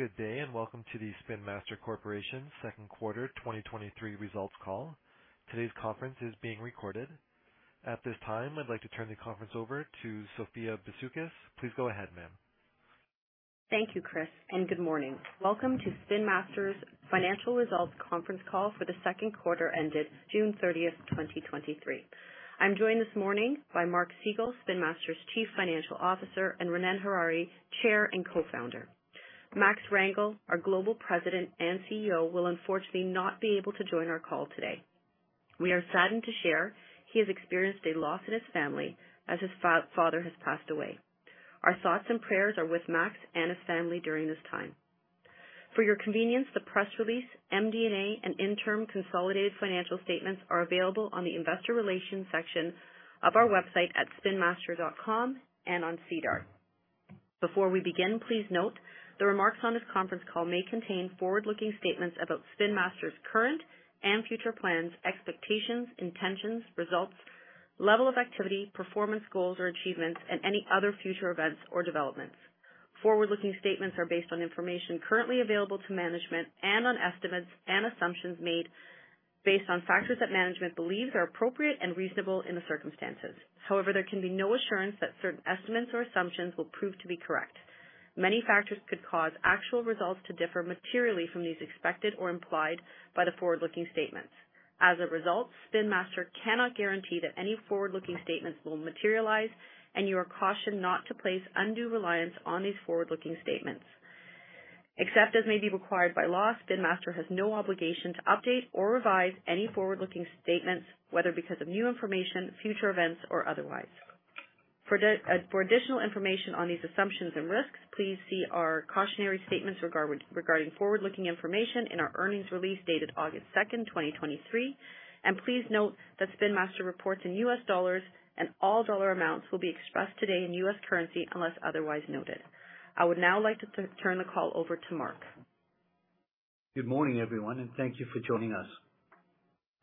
Good day, and welcome to the Spin Master Corporation Second Quarter 2023 Results Call. Today's conference is being recorded. At this time, I'd like to turn the conference over to Sophia Bisoukis. Please go ahead, ma'am. Thank you, Chris. Good morning. Welcome to Spin Master's Financial Results conference call for the second quarter ended June 30th, 2023. I'm joined this morning by Mark Segal, Spin Master's Chief Financial Officer, and Ronnen Harary, Chair and Co-Founder. Max Rangel, our Global President and CEO, will unfortunately not be able to join our call today. We are saddened to share he has experienced a loss in his family as his father has passed away. Our thoughts and prayers are with Max and his family during this time. For your convenience, the press release, MD&A, and interim consolidated financial statements are available on the Investor Relations section of our website at spinmaster.com and on SEDAR. Before we begin, please note the remarks on this conference call may contain forward-looking statements about Spin Master's current and future plans, expectations, intentions, results, level of activity, performance goals or achievements, and any other future events or developments. Forward-looking statements are based on information currently available to management and on estimates and assumptions made based on factors that management believes are appropriate and reasonable in the circumstances. However, there can be no assurance that certain estimates or assumptions will prove to be correct. Many factors could cause actual results to differ materially from these expected or implied by the forward-looking statements. As a result, Spin Master cannot guarantee that any forward-looking statements will materialize, and you are cautioned not to place undue reliance on these forward-looking statements. Except as may be required by law, Spin Master has no obligation to update or revise any forward-looking statements, whether because of new information, future events, or otherwise. For additional information on these assumptions and risks, please see our cautionary statements regarding forward-looking information in our earnings release dated August 2nd, 2023. Please note that Spin Master reports in U.S. dollars and all dollar amounts will be expressed today in U.S. currency, unless otherwise noted. I would now like to turn the call over to Mark. Good morning, everyone, thank you for joining us.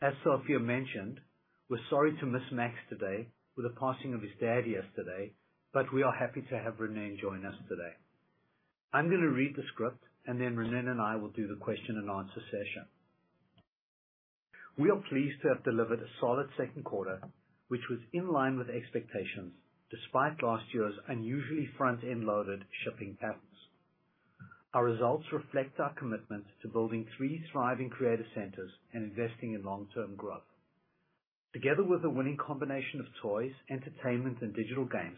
As Sophia mentioned, we're sorry to miss Max today with the passing of his dad yesterday, but we are happy to have Ronnen join us today. I'm gonna read the script, and then Ronnen and I will do the question-and-answer session. We are pleased to have delivered a solid second quarter, which was in line with expectations despite last year's unusually front-end loaded shipping patterns. Our results reflect our commitment to building three thriving creative centers and investing in long-term growth. Together with a winning combination of toys, entertainment, and digital games,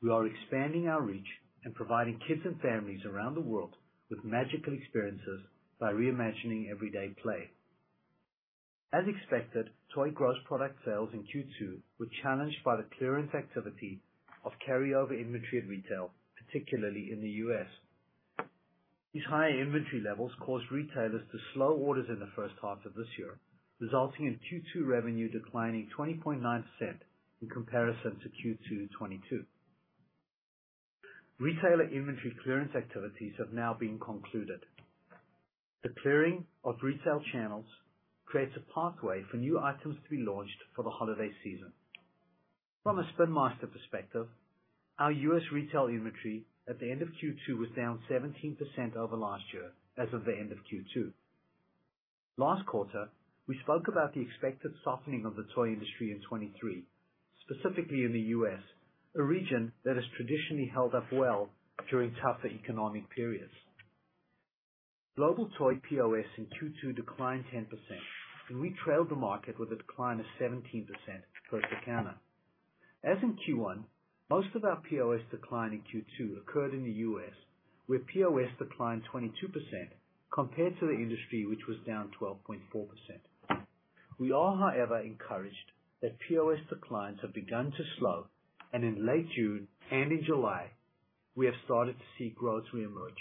we are expanding our reach and providing kids and families around the world with magical experiences by reimagining everyday play. As expected, toy gross product sales in Q2 were challenged by the clearance activity of carryover inventory at retail, particularly in the U.S. These higher inventory levels caused retailers to slow orders in the first half of this year, resulting in Q2 revenue declining 20.9% in comparison to Q2 2022. Retailer inventory clearance activities have now been concluded. The clearing of retail channels creates a pathway for new items to be launched for the holiday season. From a Spin Master perspective, our U.S. retail inventory at the end of Q2 was down 17% over last year as of the end of Q2. Last quarter, we spoke about the expected softening of the toy industry in 2023, specifically in the U.S., a region that has traditionally held up well during tougher economic periods. Global toy POS in Q2 declined 10%, and we trailed the market with a decline of 17% per Circana. As in Q1, most of our POS decline in Q2 occurred in the U.S., where POS declined 22% compared to the industry, which was down 12.4%. We are, however, encouraged that POS declines have begun to slow, and in late June and in July, we have started to see growth reemerge.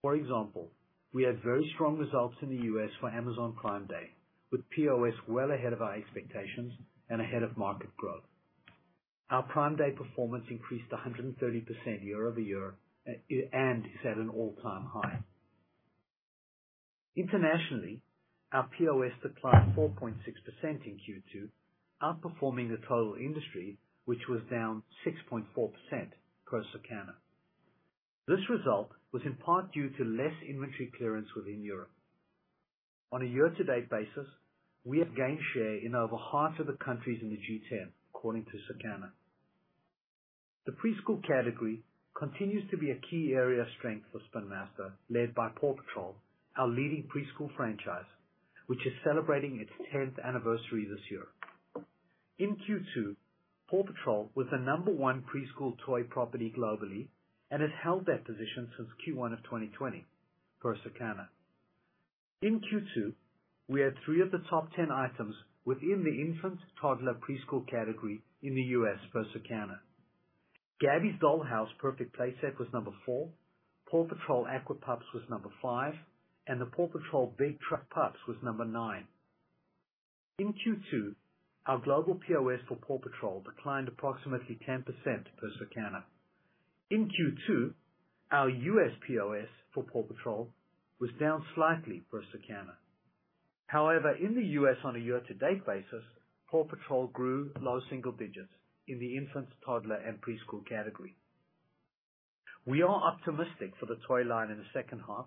For example, we had very strong results in the U.S. for Amazon Prime Day, with POS well ahead of our expectations and ahead of market growth. Our Prime Day performance increased 130% year-over-year and is at an all-time high. Internationally, our POS declined 4.6% in Q2, outperforming the total industry, which was down 6.4% per Circana. This result was in part due to less inventory clearance within Europe. On a year-to-date basis, we have gained share in over half of the countries in the G10, according to Circana. The preschool category continues to be a key area of strength for Spin Master, led by Paw Patrol, our leading preschool franchise, which is celebrating its tenth anniversary this year. In Q2, Paw Patrol was the number one preschool toy property globally and has held that position since Q1 of 2020, per Circana. In Q2, we had three of the top 10 items within the infant, toddler, preschool category in the U.S., per Circana. Gabby's Dollhouse Perfect Play Set was number four, Paw Patrol Aqua Pups was number five, and the Paw Patrol Big Truck Pups was number nine. In Q2, our global POS for Paw Patrol declined approximately 10%, per Circana. In Q2, our U.S. POS for Paw Patrol was down slightly, per Circana. However, in the U.S., on a year-to-date basis, Paw Patrol grew low single digits in the infants, toddler, and preschool category. We are optimistic for the toy line in the second half,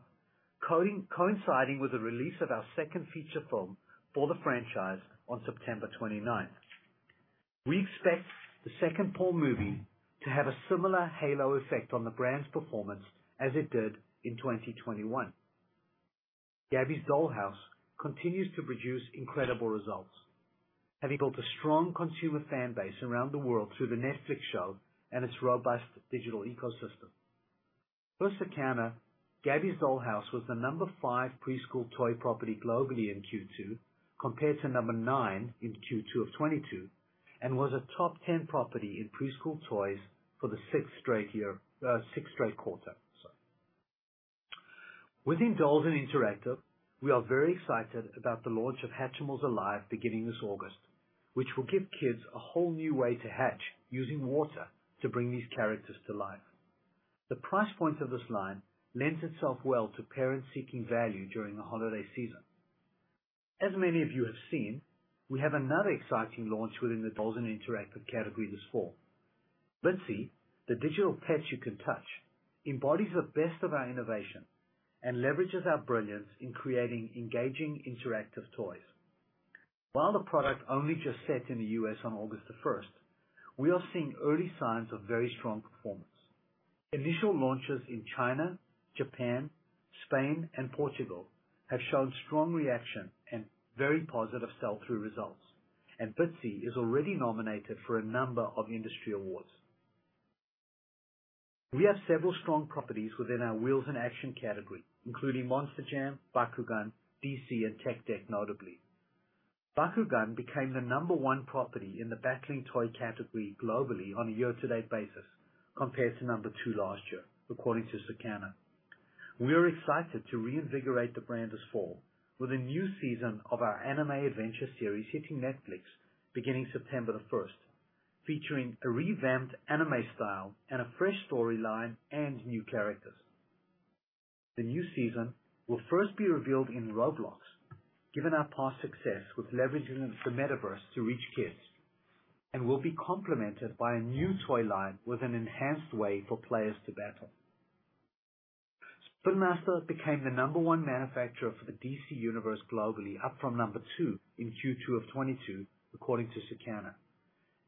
coinciding with the release of our second feature film for the franchise on September 29th. We expect the second Paw movie to have a similar halo effect on the brand's performance as it did in 2021. Gabby's Dollhouse continues to produce incredible results, having built a strong consumer fan base around the world through the Netflix show and its robust digital ecosystem. Per Circana, Gabby's Dollhouse was the number five preschool toy property globally in Q2, compared to number nine in Q2 of 2022, and was a top 10 property in preschool toys for the sixth straight year, sixth straight quarter, sorry. Within Dolls and Interactive, we are very excited about the launch of Hatchimals Alive, beginning this August, which will give kids a whole new way to hatch using water to bring these characters to life. The price point of this line lends itself well to parents seeking value during the holiday season. As many of you have seen, we have another exciting launch within the Dolls and Interactive category this fall. Bitzee, the digital pets you can touch, embodies the best of our innovation and leverages our brilliance in creating engaging, interactive toys. While the product only just set in the U.S. on August 1st, we are seeing early signs of very strong performance. Initial launches in China, Japan, Spain, and Portugal have shown strong reaction and very positive sell-through results. Bitzee is already nominated for a number of industry awards. We have several strong properties within our Wheels in Action category, including Monster Jam, Bakugan, D.C., and Tech Deck, notably. Bakugan became the number one property in the battling toy category globally on a year-to-date basis, compared to number two last year, according to Circana. We are excited to reinvigorate the brand this fall with a new season of our anime adventure series hitting Netflix beginning September 1st, featuring a revamped anime style and a fresh storyline and new characters. The new season will first be revealed in Roblox, given our past success with leveraging the Metaverse to reach kids, and will be complemented by a new toy line with an enhanced way for players to battle. Spin Master became the number 1 manufacturer for the D.C. Universe globally, up from number two in Q2 of 2022, according to Circana.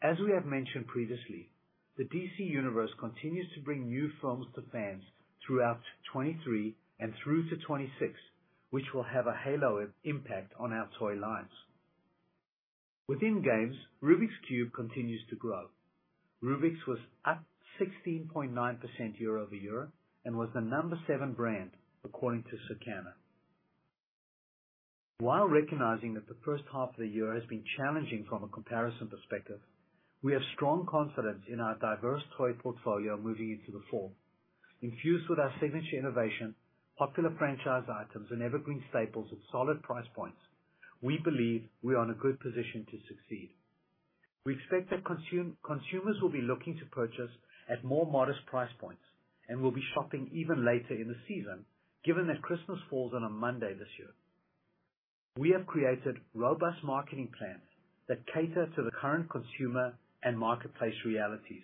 As we have mentioned previously, the D.C. Universe continues to bring new films to fans throughout 2023 and through to 2026, which will have a halo impact on our toy lines. Within Games, Rubik's Cube continues to grow. Rubik's was up 16.9% year-over-year and was the number seven brand, according to Circana. While recognizing that the first half of the year has been challenging from a comparison perspective, we have strong confidence in our diverse toy portfolio moving into the fall. Infused with our signature innovation, popular franchise items and evergreen staples at solid price points, we believe we are in a good position to succeed. We expect that consumers will be looking to purchase at more modest price points and will be shopping even later in the season, given that Christmas falls on a Monday this year. We have created robust marketing plans that cater to the current consumer and marketplace realities.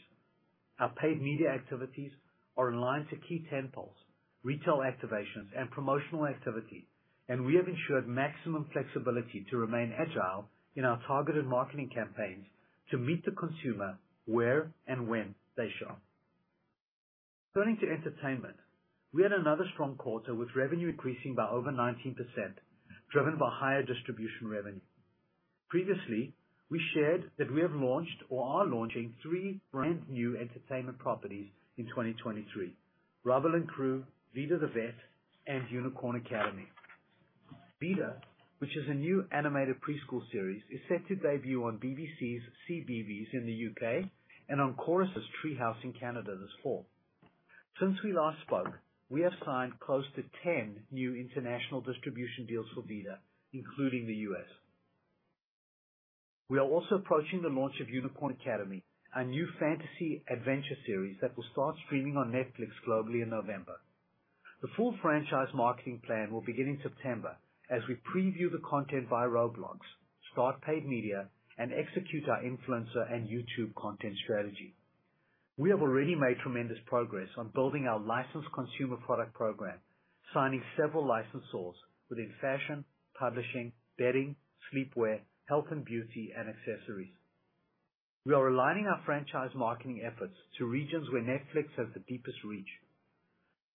Our paid media activities are in line to key tentpoles, retail activations, and promotional activity, and we have ensured maximum flexibility to remain agile in our targeted marketing campaigns to meet the consumer where and when they shop. Turning to entertainment, we had another strong quarter, with revenue increasing by over 19%, driven by higher distribution revenue. Previously, we shared that we have launched or are launching three brand-new entertainment properties in 2023: Rubble & Crew, Vida the Vet, and Unicorn Academy. Vida, which is a new animated preschool series, is set to debut on BBC's CBeebies in the U.K. and on Corus's Treehouse in Canada this fall. Since we last spoke, we have signed close to 10 new international distribution deals for Vida, including the U.S. We are also approaching the launch of Unicorn Academy, a new fantasy adventure series that will start streaming on Netflix globally in November. The full franchise marketing plan will begin in September as we preview the content via Roblox, start paid media, and execute our influencer and YouTube content strategy. We have already made tremendous progress on building our licensed consumer product program, signing several licensors within fashion, publishing, bedding, sleepwear, health and beauty, and accessories. We are aligning our franchise marketing efforts to regions where Netflix has the deepest reach.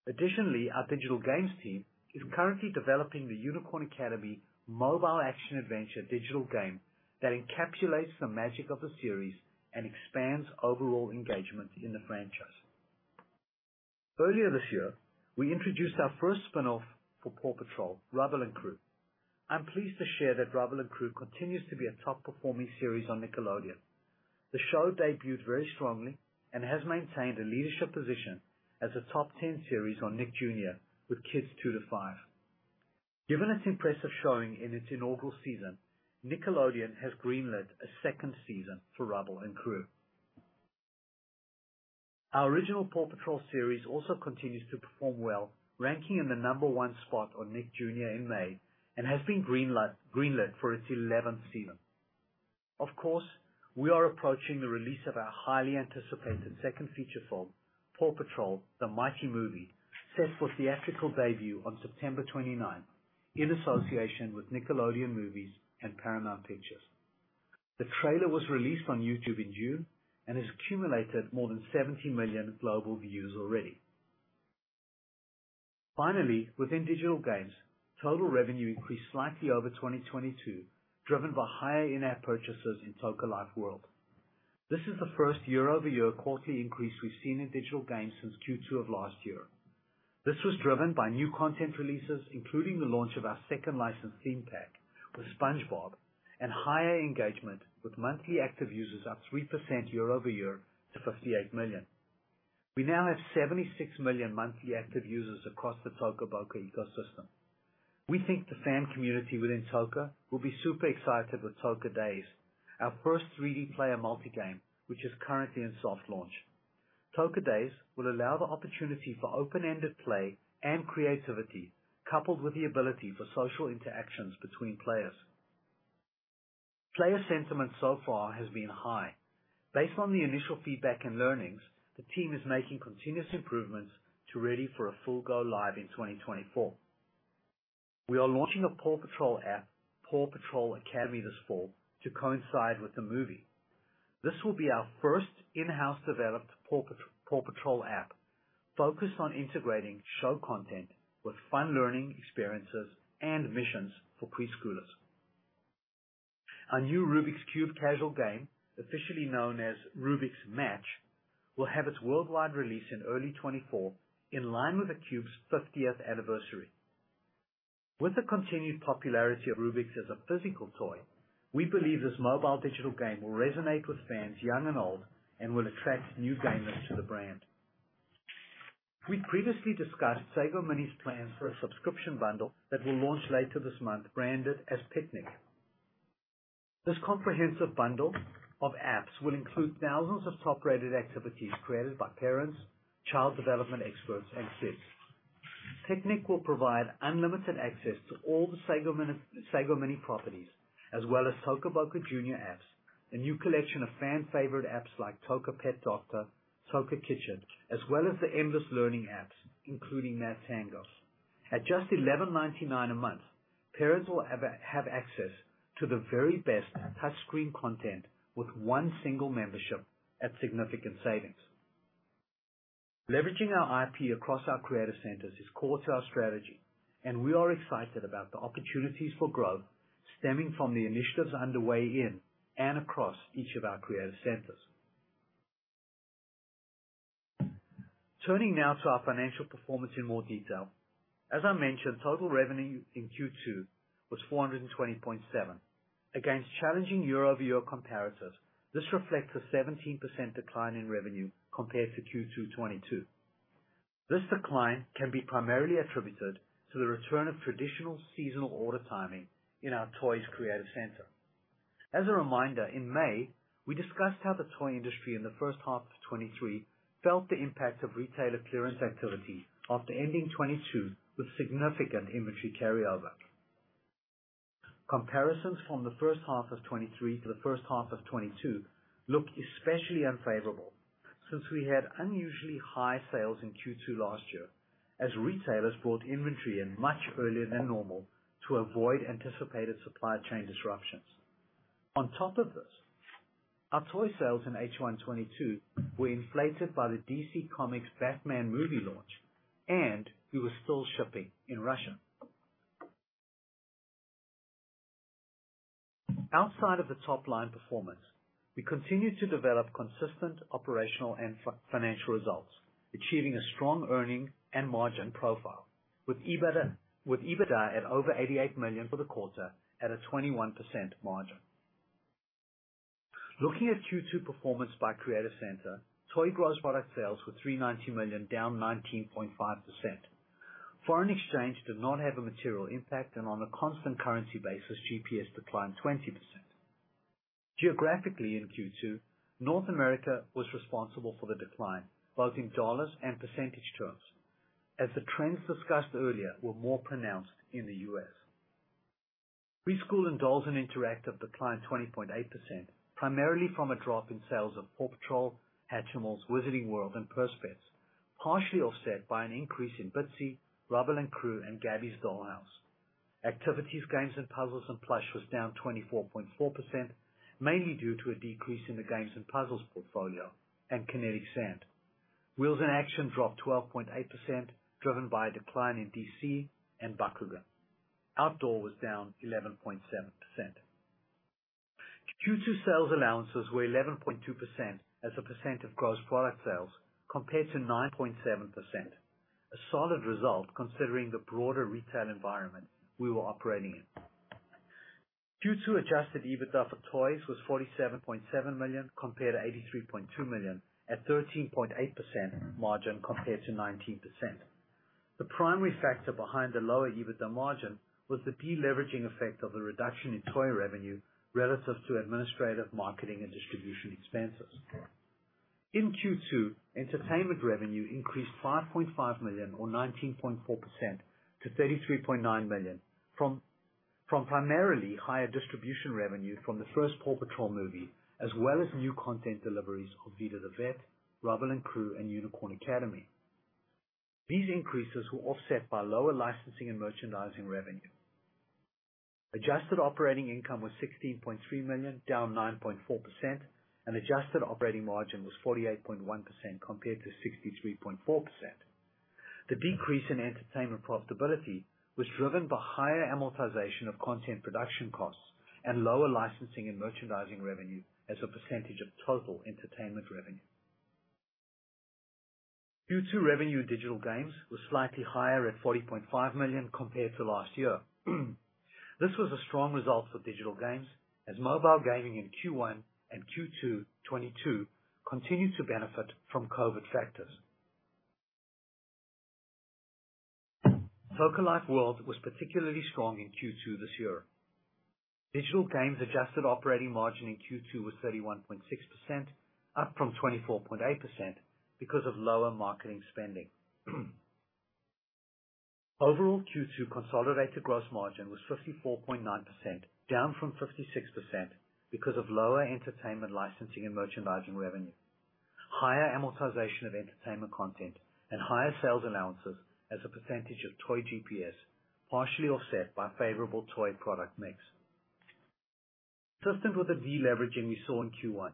Additionally, our digital games team is currently developing the Unicorn Academy mobile action-adventure digital game that encapsulates the magic of the series and expands overall engagement in the franchise. Earlier this year, we introduced our first spin-off for Paw Patrol, Rubble & Crew. I'm pleased to share that Rubble & Crew continues to be a top-performing series on Nickelodeon. The show debuted very strongly and has maintained a leadership position as a top 10 series on Nick Jr. with kids two to five. Given its impressive showing in its inaugural season, Nickelodeon has greenlit a second season for Rubble & Crew. Our original Paw Patrol series also continues to perform well, ranking in the number one spot on Nick Jr. in May, and has been greenlit for its 11th season. Of course, we are approaching the release of our highly anticipated second feature film, Paw Patrol: The Mighty Movie, set for theatrical debut on September 29th, in association with Nickelodeon Movies and Paramount Pictures. The trailer was released on YouTube in June and has accumulated more than 70 million global views already. Within digital games, total revenue increased slightly over 2022, driven by higher in-app purchases in Toca Life World. This is the first year-over-year quarterly increase we've seen in digital games since Q2 of last year. This was driven by new content releases, including the launch of our second licensed theme pack with SpongeBob, and higher engagement, with monthly active users up 3% year-over-year to 58 million. We now have 76 million monthly active users across the Toca Boca ecosystem. We think the fan community within Toca will be super excited with Toca Days, our first 3D player multi-game, which is currently in soft launch. Toca Days will allow the opportunity for open-ended play and creativity, coupled with the ability for social interactions between players. Player sentiment so far has been high. Based on the initial feedback and learnings, the team is making continuous improvements to ready for a full go live in 2024. We are launching a Paw Patrol app, Paw Patrol Academy, this fall to coincide with the movie. This will be our first in-house developed Paw Patrol app, focused on integrating show content with fun learning experiences and missions for preschoolers. Our new Rubik's Cube casual game, officially known as Rubik's Match, will have its worldwide release in early 2024, in line with the Cube's fiftieth anniversary. With the continued popularity of Rubik's as a physical toy, we believe this mobile digital game will resonate with fans young and old, and will attract new gamers to the brand. We previously discussed Sago Mini's plans for a subscription bundle that will launch later this month, branded as Piknik. This comprehensive bundle of apps will include thousands of top-rated activities created by parents, child development experts, and kids. Piknik will provide unlimited access to all the Sago Mini, Sago Mini properties, as well as Toca Boca Junior apps, a new collection of fan favorite apps like Toca Pet Doctor, Toca Kitchen, as well as the Endless learning apps, including MathTango. At just 11.99 a month, parents will have access to the very best touch screen content with one single membership at significant savings. Leveraging our IP across our creative centers is core to our strategy, we are excited about the opportunities for growth stemming from the initiatives underway in and across each of our creative centers. Turning now to our financial performance in more detail. As I mentioned, total revenue in Q2 was 420.7. Against challenging year-over-year comparisons, this reflects a 17% decline in revenue compared to Q2 2022. This decline can be primarily attributed to the return of traditional seasonal order timing in our toys creative center. As a reminder, in May, we discussed how the toy industry in the first half of 2023 felt the impact of retailer clearance activity after ending 2022 with significant inventory carryover. Comparisons from the first half of 2023 to the first half of 2022 looked especially unfavorable since we had unusually high sales in Q2 last year, as retailers bought inventory in much earlier than normal to avoid anticipated supply chain disruptions. On top of this, our toy sales in H1 2022 were inflated by the D.C. Comics Batman movie launch, and we were still shipping in Russia. Outside of the top-line performance, we continued to develop consistent operational and financial results, achieving a strong earning and margin profile, with EBITDA at over 88 million for the quarter at a 21% margin. Looking at Q2 performance by creative center, toy gross product sales were 390 million, down 19.5%. Foreign exchange did not have a material impact. On a constant currency basis, GPS declined 20%. Geographically in Q2, North America was responsible for the decline, both in dollars and percentage terms, as the trends discussed earlier were more pronounced in the U.S. Preschool and dolls and interactive declined 20.8%, primarily from a drop in sales of Paw Patrol, Hatchimals, Wizarding World, and Purse Pets, partially offset by an increase in Bitzee, Rubble & Crew, and Gabby's Dollhouse. Activities, games, and puzzles, and plush was down 24.4%, mainly due to a decrease in the games and puzzles portfolio and Kinetic Sand. Wheels in Action dropped 12.8%, driven by a decline in DC and Bakugan. Outdoor was down 11.7%. Q2 sales allowances were 11.2% as a percent of gross product sales, compared to 9.7%. A solid result considering the broader retail environment we were operating in. Q2 Adjusted EBITDA for Toys was 47.7 million, compared to 83.2 million at 13.8% margin, compared to 19%....The primary factor behind the lower EBITDA margin was the deleveraging effect of the reduction in toy revenue relative to administrative, marketing, and distribution expenses. In Q2, entertainment revenue increased 5.5 million, or 19.4%, to 33.9 million from primarily higher distribution revenue from the first Paw Patrol movie, as well as new content deliveries of Vida the Vet, Rubble & Crew, and Unicorn Academy. These increases were offset by lower licensing and merchandising revenue. Adjusted operating income was 16.3 million, down 9.4%, and adjusted operating margin was 48.1% compared to 63.4%. The decrease in entertainment profitability was driven by higher amortization of content production costs and lower licensing and merchandising revenue as a percentage of total entertainment revenue. Q2 revenue in digital games was slightly higher at 40.5 million compared to last year. This was a strong result for digital games, as mobile gaming in Q1 and Q2 2022 continued to benefit from COVID factors. Toca Life World was particularly strong in Q2 2023. Digital games adjusted operating margin in Q2 was 31.6%, up from 24.8%, because of lower marketing spending. Overall, Q2 consolidated gross margin was 54.9%, down from 56%, because of lower entertainment licensing and merchandising revenue, higher amortization of entertainment content, and higher sales allowances as a percentage of toy GPS, partially offset by favorable toy product mix. Consistent with the deleveraging we saw in Q1,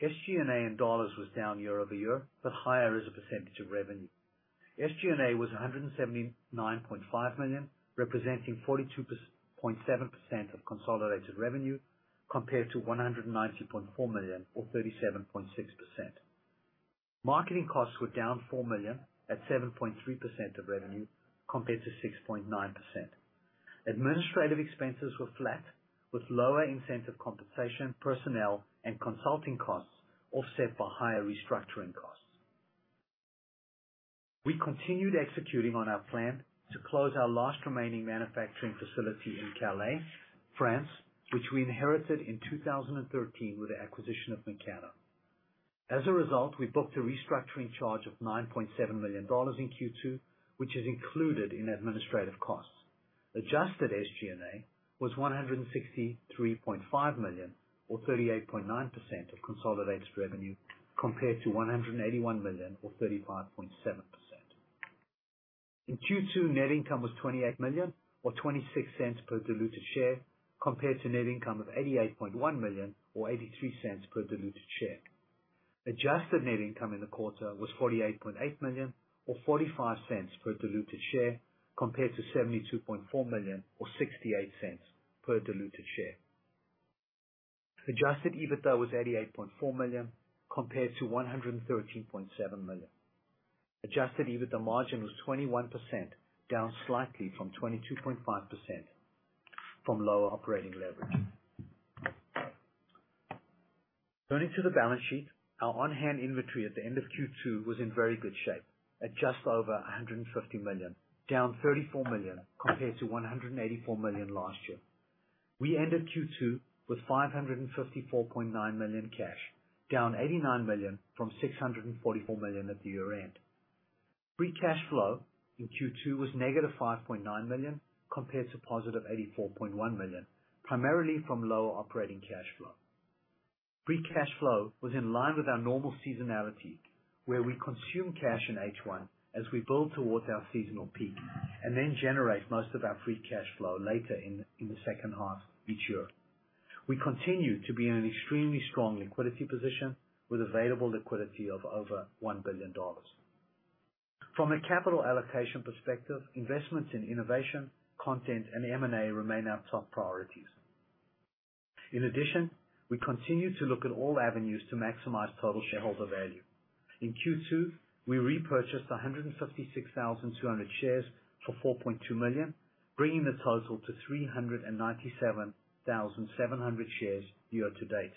SG&A in dollars was down year-over-year, but higher as a percentage of revenue. SG&A was 179.5 million, representing 42.7% of consolidated revenue, compared to 190.4 million, or 37.6%. Marketing costs were down 4 million, at 7.3% of revenue, compared to 6.9%. Administrative expenses were flat, with lower incentive compensation, personnel, and consulting costs offset by higher restructuring costs. We continued executing on our plan to close our last remaining manufacturing facility in Calais, France, which we inherited in 2013 with the acquisition of Meccano. As a result, we booked a restructuring charge of 9.7 million dollars in Q2, which is included in administrative costs. Adjusted SG&A was 163.5 million, or 38.9% of consolidated revenue, compared to 181 million, or 35.7%. In Q2, net income was 28 million or 0.26 per diluted share, compared to net income of 88.1 million or 0.83 per diluted share. Adjusted net income in the quarter was 48.8 million or 0.45 per diluted share, compared to 72.4 million or 0.68 per diluted share. Adjusted EBITDA was 88.4 million, compared to 113.7 million. Adjusted EBITDA margin was 21%, down slightly from 22.5% from lower operating leverage. Turning to the balance sheet, our on-hand inventory at the end of Q2 was in very good shape at just over 150 million, down 34 million compared to 184 million last year. We ended Q2 with 554.9 million cash, down 89 million from 644 million at the year-end. Free cash flow in Q2 was -5.9 million, compared to +84.1 million, primarily from lower operating cash flow. Free cash flow was in line with our normal seasonality, where we consume cash in H1 as we build towards our seasonal peak, and then generate most of our free cash flow later in the second half each year. We continue to be in an extremely strong liquidity position, with available liquidity of over $1 billion. From a capital allocation perspective, investments in innovation, content, and M&A remain our top priorities. We continue to look at all avenues to maximize total shareholder value. In Q2, we repurchased 156,200 shares for 4.2 million, bringing the total to 397,700 shares year-to-date.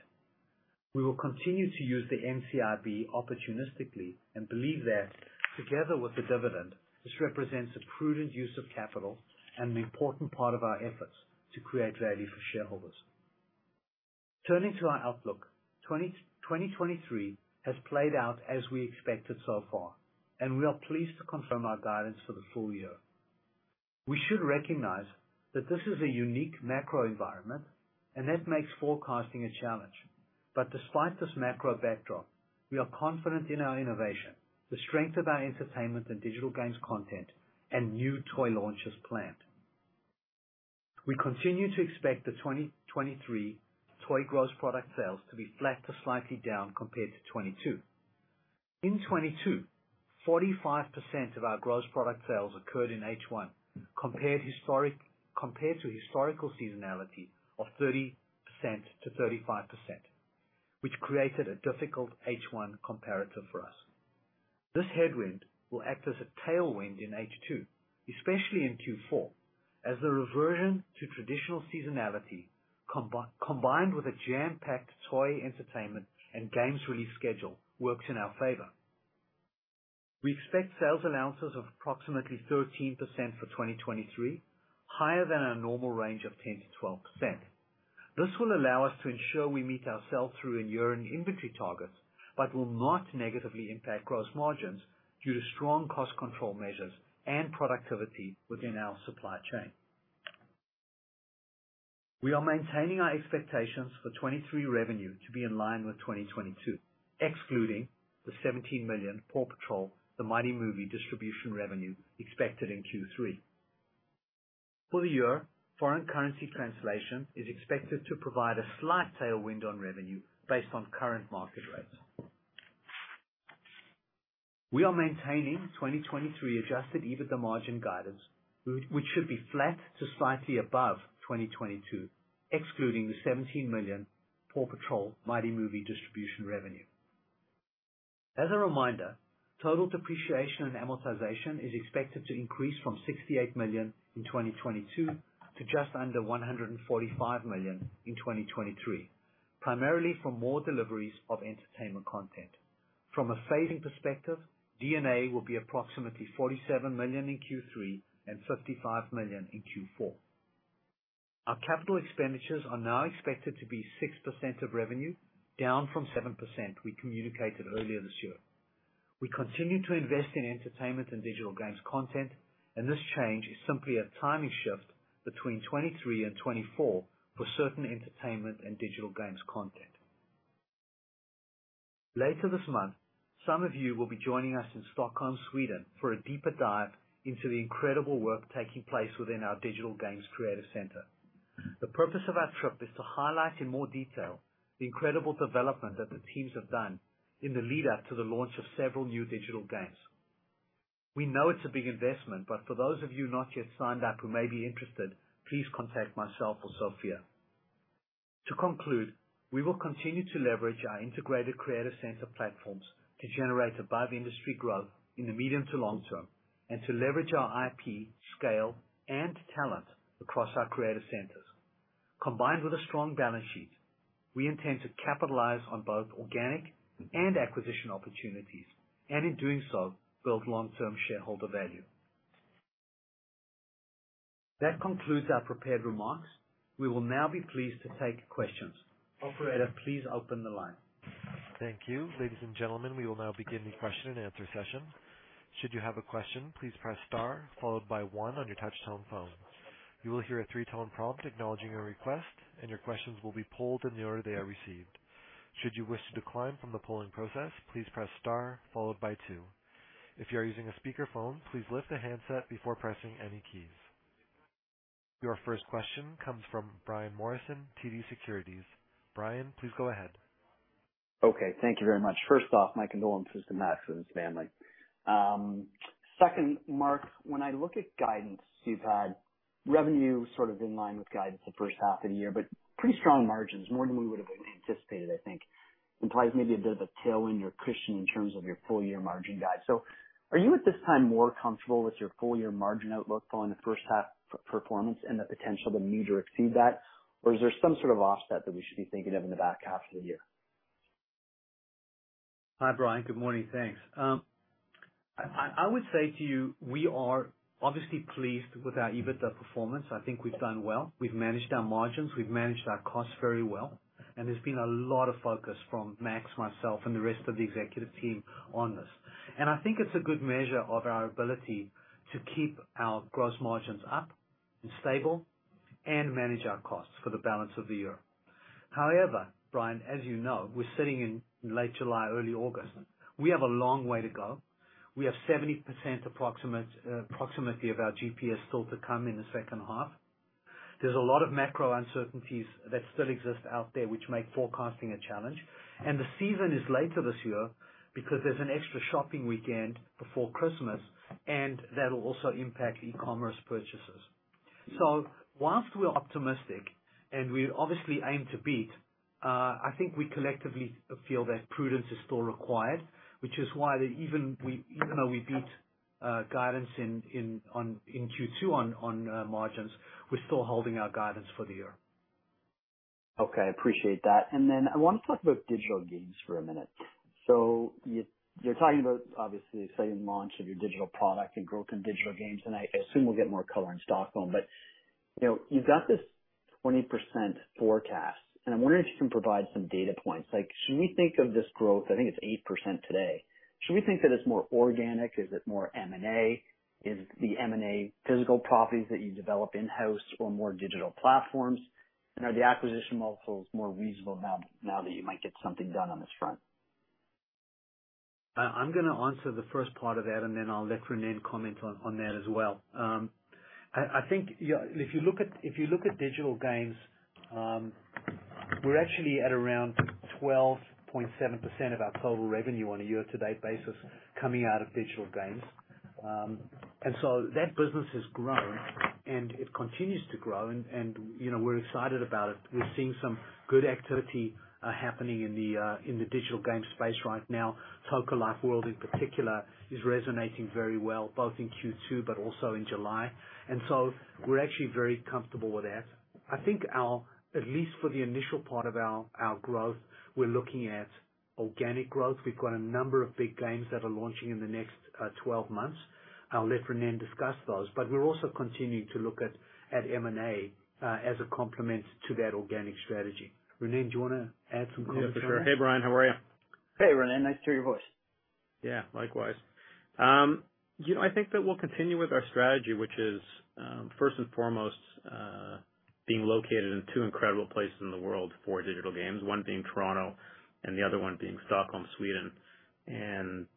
We will continue to use the NCIB opportunistically and believe that, together with the dividend, this represents a prudent use of capital and an important part of our efforts to create value for shareholders. Turning to our outlook, 2023 has played out as we expected so far, and we are pleased to confirm our guidance for the full year. We should recognize that this is a unique macro environment, and that makes forecasting a challenge. Despite this macro backdrop, we are confident in our innovation, the strength of our entertainment and digital games content, and new toy launches planned. We continue to expect the 2023 toy gross product sales to be flat to slightly down compared to 2022. In 2022, 45% of our gross product sales occurred in H1, compared historic compared to historical seasonality of 30%-35%, which created a difficult H1 comparator for us. This headwind will act as a tailwind in H2, especially in Q4, as the reversion to traditional seasonality, combined with a jam-packed toy entertainment and games release schedule, works in our favor. We expect sales allowances of approximately 13% for 2023, higher than our normal range of 10%-12%. This will allow us to ensure we meet our sell-through and year-end inventory targets, but will not negatively impact gross margins due to strong cost control measures and productivity within our supply chain. We are maintaining our expectations for 2023 revenue to be in line with 2022, excluding the 17 million Paw Patrol: The Mighty Movie distribution revenue expected in Q3. For the year, foreign currency translation is expected to provide a slight tailwind on revenue based on current market rates. We are maintaining 2023 Adjusted EBITDA margin guidance, which should be flat to slightly above 2022, excluding the 17 million Paw Patrol: Mighty Movie distribution revenue. As a reminder, total depreciation and amortization is expected to increase from 68 million in 2022 to just under 145 million in 2023, primarily from more deliveries of entertainment content. From a phasing perspective, D&A will be approximately 47 million in Q3 and 55 million in Q4. Our capital expenditures are now expected to be 6% of revenue, down from 7% we communicated earlier this year. We continue to invest in entertainment and digital games content. This change is simply a timing shift between 2023 and 2024 for certain entertainment and digital games content. Later this month, some of you will be joining us in Stockholm, Sweden, for a deeper dive into the incredible work taking place within our digital games creative center. The purpose of our trip is to highlight in more detail the incredible development that the teams have done in the lead up to the launch of several new digital games. We know it's a big investment, but for those of you not yet signed up who may be interested, please contact myself or Sophia. To conclude, we will continue to leverage our integrated creative center platforms to generate above-industry growth in the medium to long term, and to leverage our IP, scale, and talent across our creative centers. Combined with a strong balance sheet, we intend to capitalize on both organic and acquisition opportunities, and in doing so, build long-term shareholder value. That concludes our prepared remarks. We will now be pleased to take questions. Operator, please open the line. Thank you. Ladies, and gentlemen, we will now begin the question-and-answer session. Should you have a question, please press star followed by one on your touchtone phone. You will hear a three tone prompt acknowledging your request, and your questions will be polled in the order they are received. Should you wish to decline from the polling process, please press star followed by two. If you are using a speakerphone, please lift the handset before pressing any keys. Your first question comes from Brian Morrison, TD Securities. Brian, please go ahead. Okay, thank you very much. First off, my condolences to Max and his family. Second, Mark, when I look at guidance, you've had revenue sort of in line with guidance the first half of the year, but pretty strong margins, more than we would've anticipated, I think. Implies maybe a bit of a tailwind or cushion in terms of your full year margin guide. Are you, at this time, more comfortable with your full year margin outlook following the first half performance and the potential to meet or exceed that? Is there some sort of offset that we should be thinking of in the back half of the year? Hi, Brian. Good morning. Thanks. I, I would say to you, we are obviously pleased with our EBITDA performance. I think we've done well. We've managed our margins, we've managed our costs very well, and there's been a lot of focus from Max, myself, and the rest of the executive team on this. I think it's a good measure of our ability to keep our gross margins up and stable and manage our costs for the balance of the year. However, Brian, as you know, we're sitting in late July, early August. We have a long way to go. We have 70% approximate, approximately of our GPS still to come in the second half. There's a lot of macro uncertainties that still exist out there, which make forecasting a challenge. The season is later this year because there's an extra shopping weekend before Christmas, and that'll also impact e-commerce purchases. Whilst we're optimistic and we obviously aim to beat, I think we collectively feel that prudence is still required, which is why that even though we beat guidance in Q2 on margins, we're still holding our guidance for the year. Appreciate that. Then I want to talk about digital games for a minute. You're talking about, obviously, the exciting launch of your digital product and growth in digital games, and I assume we'll get more color in Stockholm. You know, you've got this 20% forecast, and I'm wondering if you can provide some data points. Like, should we think of this growth? I think it's 8% today. Should we think that it's more organic? Is it more M&A? Is the M&A physical properties that you develop in-house or more digital platforms? Are the acquisition multiples more reasonable now, now that you might get something done on this front? I'm gonna answer the first part of that, and then I'll let Ronnen comment on, on that as well. I, I think, yeah, if you look at, if you look at digital games, we're actually at around 12.7% of our total revenue on a year-to-date basis coming out of digital games....So that business has grown, and it continues to grow, and, and, you know, we're excited about it. We're seeing some good activity happening in the digital game space right now. Toca Life World, in particular, is resonating very well, both in Q2 but also in July, we're actually very comfortable with that. I think at least for the initial part of our, our growth, we're looking at organic growth. We've got a number of big games that are launching in the next 12 months. I'll let Ronnen discuss those, we're also continuing to look at M&A as a complement to that organic strategy. Ronnen, do you want to add some color to that? Yeah, for sure. Hey, Brian, how are you? Hey, Ronnen, nice to hear your voice. Yeah, likewise. You know, I think that we'll continue with our strategy, which is, first and foremost, being located in two incredible places in the world for digital games, one being Toronto and the other one being Stockholm, Sweden.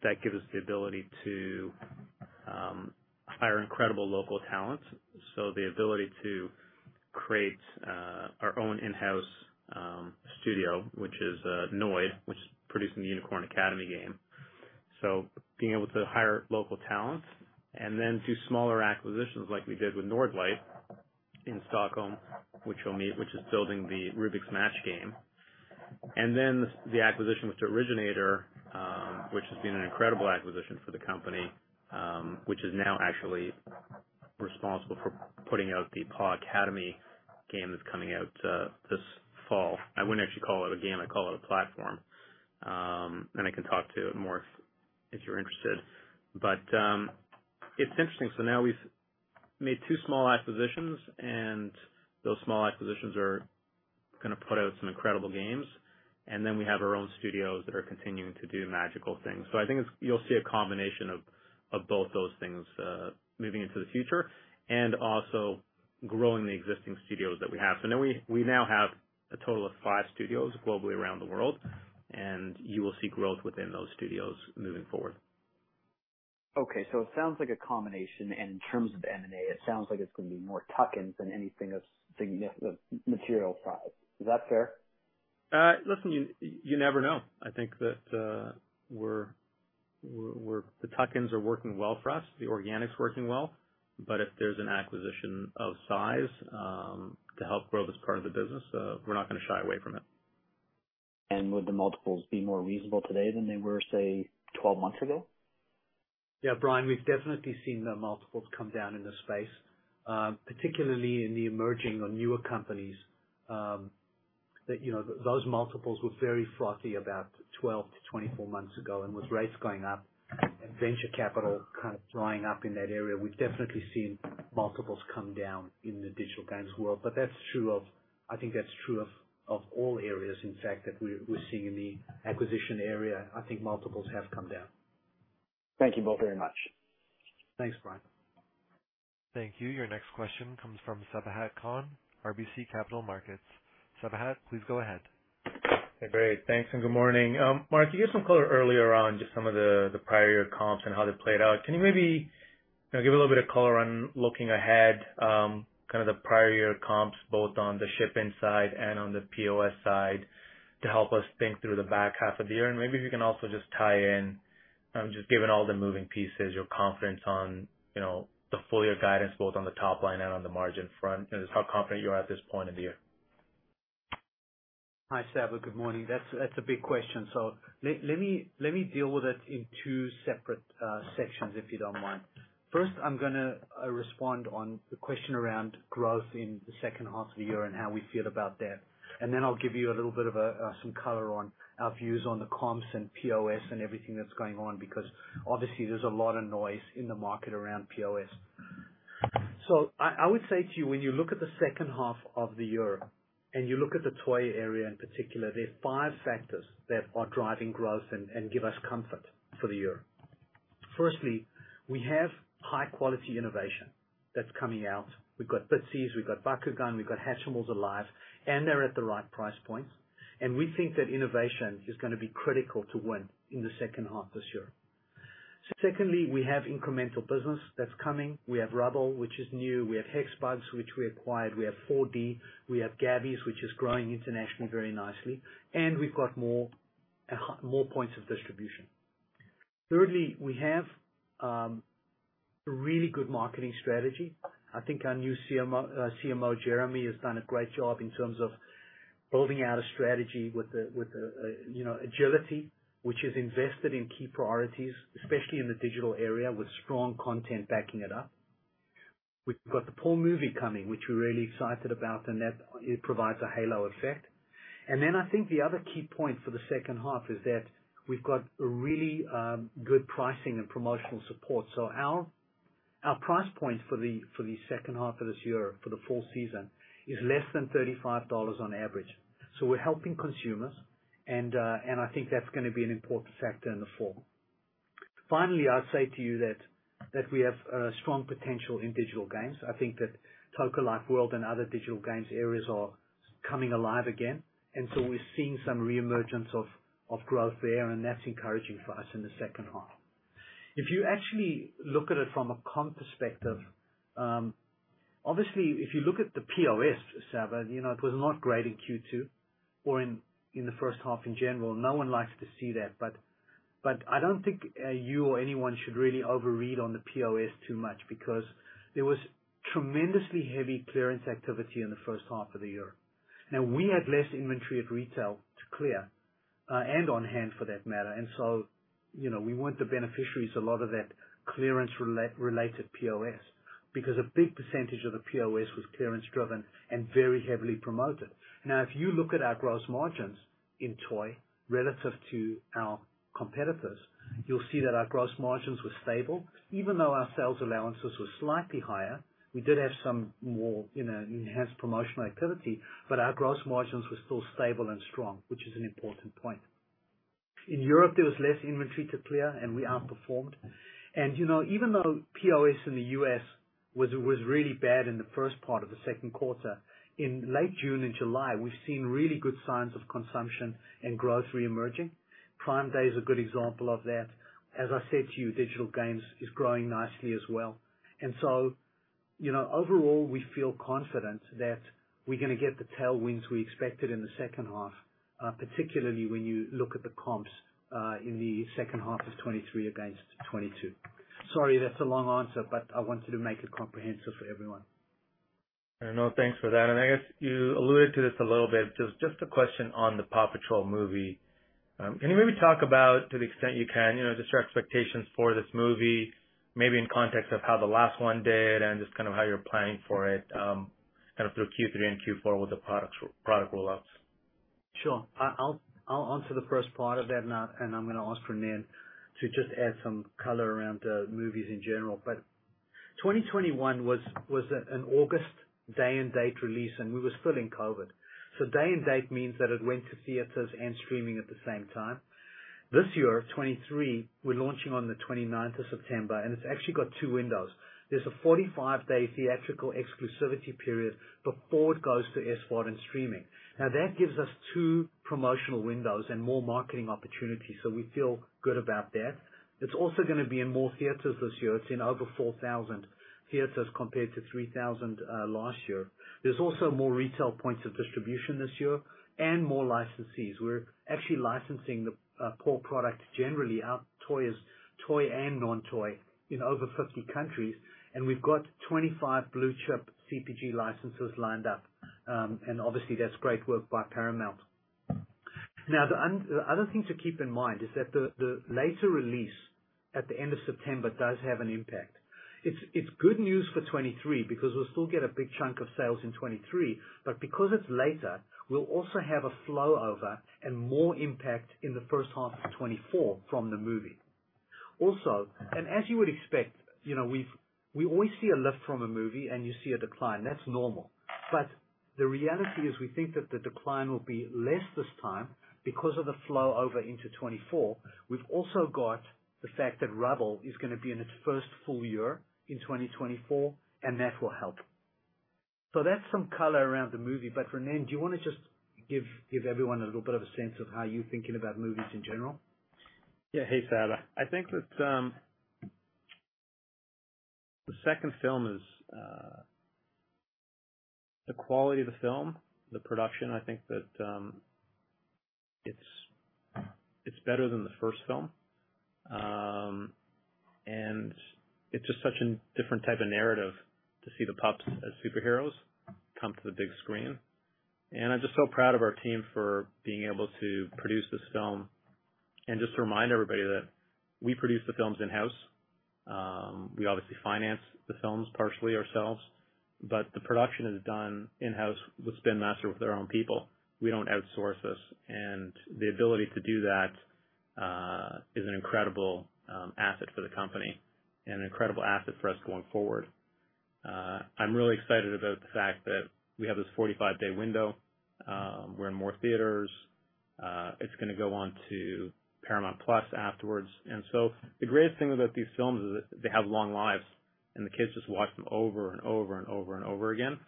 That gives us the ability to hire incredible local talent, so the ability to create our own in-house studio, which is Nørdlight, which is producing the Unicorn Academy game. Being able to hire local talent and then do smaller acquisitions like we did with Nørdlight in Stockholm, which we'll meet, which is building the Rubik's Match game. Then the acquisition with Originator, which has been an incredible acquisition for the company, which is now actually responsible for putting out the Paw Academy game that's coming out this fall. I wouldn't actually call it a game. I'd call it a platform. I can talk to it more if you're interested. It's interesting. Now we've made two small acquisitions, those small acquisitions are gonna put out some incredible games. Then we have our own studios that are continuing to do magical things. I think it's, you'll see a combination of both those things, moving into the future and also growing the existing studios that we have. Now we now have a total of five studios globally around the world, you will see growth within those studios moving forward. It sounds like a combination, and in terms of M&A, it sounds like it's going to be more tuck-ins than anything of significant material size. Is that fair? Listen, you, you never know. I think that, the tuck-ins are working well for us, the organic's working well, but if there's an acquisition of size, to help grow this part of the business, we're not gonna shy away from it. Would the multiples be more reasonable today than they were, say, 12 months ago? Yeah, Brian, we've definitely seen the multiples come down in this space, particularly in the emerging or newer companies. That, you know, those multiples were very frothy about 12 to 24 months ago, and with rates going up and venture capital kind of drying up in that area, we've definitely seen multiples come down in the digital games world. That's true of, I think that's true of, of all areas, in fact, that we're seeing in the acquisition area. I think multiples have come down. Thank you both very much. Thanks, Brian. Thank you. Your next question comes from Sabahat Khan, RBC Capital Markets. Sabahat, please go ahead. Hey, great. Thanks, and good morning. Mark, you gave some color earlier on just some of the, the prior year comps and how they played out. Can you maybe, you know, give a little bit of color on looking ahead, kind of the prior year comps, both on the shipping side and on the POS side, to help us think through the back half of the year, and maybe if you can also just tie in, just given all the moving pieces, your confidence on, you know, the full year guidance, both on the top line and on the margin front, and how confident you are at this point in the year? Hi, Sabahat, good morning. That's, that's a big question. Let me, let me deal with it in two separate sections, if you don't mind. First, I'm gonna respond on the question around growth in the second half of the year and how we feel about that. Then I'll give you a little bit of a some color on our views on the comps and POS and everything that's going on, because obviously there's a lot of noise in the market around POS. I, I would say to you, when you look at the second half of the year, and you look at the toy area in particular, there are five factors that are driving growth and, and give us comfort for the year. Firstly, we have high-quality innovation that's coming out. We've got Bitzee, we've got Bakugan, we've got Hatchimals Alive, and they're at the right price points. We think that innovation is gonna be critical to win in the second half this year. Secondly, we have incremental business that's coming. We have Rubble, which is new. We have Hexbugs, which we acquired. We have 4D, we have Gabby's, which is growing internationally very nicely, and we've got more, more points of distribution. Thirdly, we have a really good marketing strategy. I think our new CMO, CMO, Jeremy, has done a great job in terms of building out a strategy with the, with the, you know, agility, which is invested in key priorities, especially in the digital area, with strong content backing it up. We've got the Paw movie coming, which we're really excited about, and that it provides a halo effect. I think the other key point for the second half is that we've got a really good pricing and promotional support. Our price point for the second half of this year, for the fall season, is less than $35 on average. We're helping consumers, and I think that's gonna be an important factor in the fall. Finally, I'd say to you that we have strong potential in digital games. I think that Toca Life World and other digital games areas are coming alive again, and so we're seeing some reemergence of growth there, and that's encouraging for us in the second half. If you actually look at it from a comp perspective. Obviously, if you look at the POS, Sava, you know, it was not great in Q2 or in the first half in general. No one likes to see that. But I don't think you or anyone should really overread on the POS too much, because there was tremendously heavy clearance activity in the first half of the year. We had less inventory at retail to clear, and on-hand for that matter, and so, you know, we weren't the beneficiaries a lot of that clearance relet- related POS, because a big percentage of the POS was clearance-driven and very heavily promoted. If you look at our gross margins in toy relative to our competitors, you'll see that our gross margins were stable. Our sales allowances were slightly higher, we did have some more, you know, enhanced promotional activity, but our gross margins were still stable and strong, which is an important point. In Europe, there was less inventory to clear, we outperformed. You know, even though POS in the U.S. was, was really bad in the first part of the second quarter, in late June and July, we've seen really good signs of consumption and growth reemerging. Prime Day is a good example of that. As I said to you, digital games is growing nicely as well. You know, overall, we feel confident that we're gonna get the tailwinds we expected in the second half, particularly when you look at the comps in the second half of 2023 against 2022. Sorry, that's a long answer, but I wanted to make it comprehensive for everyone. No, thanks for that. I guess you alluded to this a little bit. Just a question on the Paw Patrol movie. Can you maybe talk about, to the extent you can, you know, just your expectations for this movie, maybe in context of how the last one did and just kind of how you're planning for it, kind of through Q3 and Q4 with the products, product rollouts? Sure. I'll answer the first part of that, and I'm going to ask Ronnen to just add some color around movies in general. 2021 was an August day and date release, and we were still in COVID. Day and date means that it went to theaters and streaming at the same time. This year, 2023, we're launching on the 29th of September, and it's actually got two windows. There's a 45-day theatrical exclusivity period before it goes to SVOD and streaming. That gives us two promotional windows and more marketing opportunities, so we feel good about that. It's also going to be in more theaters this year. It's in over 4,000 theaters, compared to 3,000 last year. There's also more retail points of distribution this year and more licensees. We're actually licensing the paw product, generally, our toy is toy and non-toy in over 50 countries, and we've got 25 blue chip CPG licenses lined up. Obviously, that's great work by Paramount. Now, the other thing to keep in mind is that the later release at the end of September does have an impact. It's, it's good news for 2023 because we'll still get a big chunk of sales in 2023, but because it's later, we'll also have a flow-over and more impact in the first half of 2024 from the movie. As you would expect, you know, we always see a lift from a movie and you see a decline. That's normal. The reality is, we think that the decline will be less this time because of the flow-over into 2024. We've also got the fact that Rubble is gonna be in its first full year in 2024, and that will help. That's some color around the movie, but Ronnen, do you wanna just give everyone a little bit of a sense of how you're thinking about movies in general? Yeah. Hey, Sabahat, I think that the second film is the quality of the film, the production, I think that it's, it's better than the first film. It's just such a different type of narrative to see the pups as superheroes come to the big screen. I'm just so proud of our team for being able to produce this film. Just to remind everybody that we produce the films in-house. We obviously finance the films partially ourselves, but the production is done in-house with Spin Master, with their own people. We don't outsource this, and the ability to do that is an incredible asset for the company and an incredible asset for us going forward. I'm really excited about the fact that we have this 45-day window. We're in more theaters. It's gonna go on to Paramount+ afterwards. The greatest thing about these films is that they have long lives, and the kids just watch them over and over and over and over again,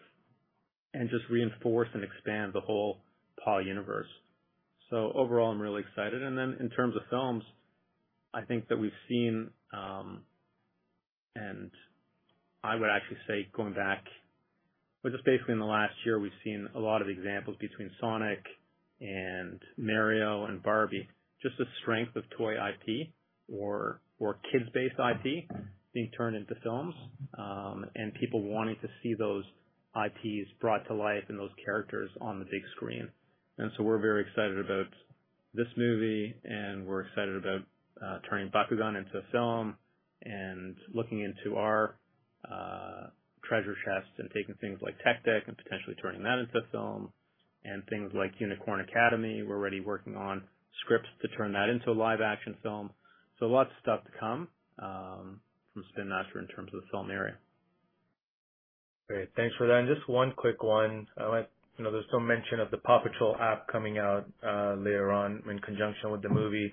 and just reinforce and expand the whole Paw universe. Overall, I'm really excited. In terms of films, I think that we've seen, and I would actually say going back, but just basically in the last year, we've seen a lot of examples between Sonic and Mario and Barbie, just the strength of toy IP or, or kids-based IP being turned into films, and people wanting to see those IPs brought to life and those characters on the big screen. We're very excited about this movie, and we're excited about turning Bakugan into a film and looking into our treasure chest and taking things like Tech Deck and potentially turning that into a film and things like Unicorn Academy. We're already working on scripts to turn that into a live action film. Lots of stuff to come from Spin Master in terms of the film area. Great. Thanks for that. Just one quick one. I, you know, there's some mention of the Paw Patrol app coming out later on in conjunction with the movie.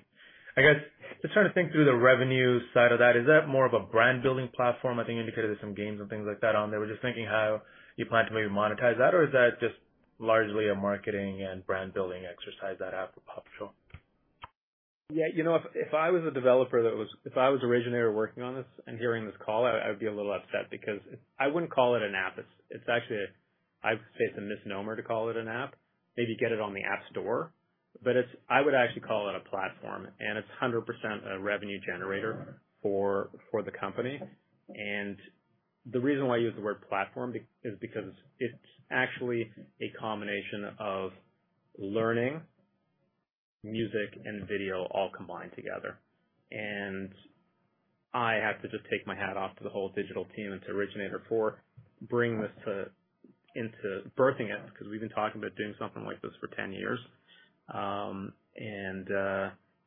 I guess, just trying to think through the revenue side of that, is that more of a brand building platform? I think you indicated there's some games and things like that on there. Was just thinking how you plan to maybe monetize that, or is that just largely a marketing and brand building exercise, that app for Paw Patrol? Yeah, you know, if, if I was a developer, if I was Originator working on this and hearing this call, I, I would be a little upset because I wouldn't call it an app. It's, it's actually a, I'd say, it's a misnomer to call it an app. Maybe get it on the App Store, but it's, I would actually call it a platform, and it's 100% a revenue generator for, for the company. The reason why I use the word platform is because it's actually a combination of learning, music, and video all combined together. I have to just take my hat off to the whole digital team and to Originator for bringing this to, into birthing it, because we've been talking about doing something like this for 10 years.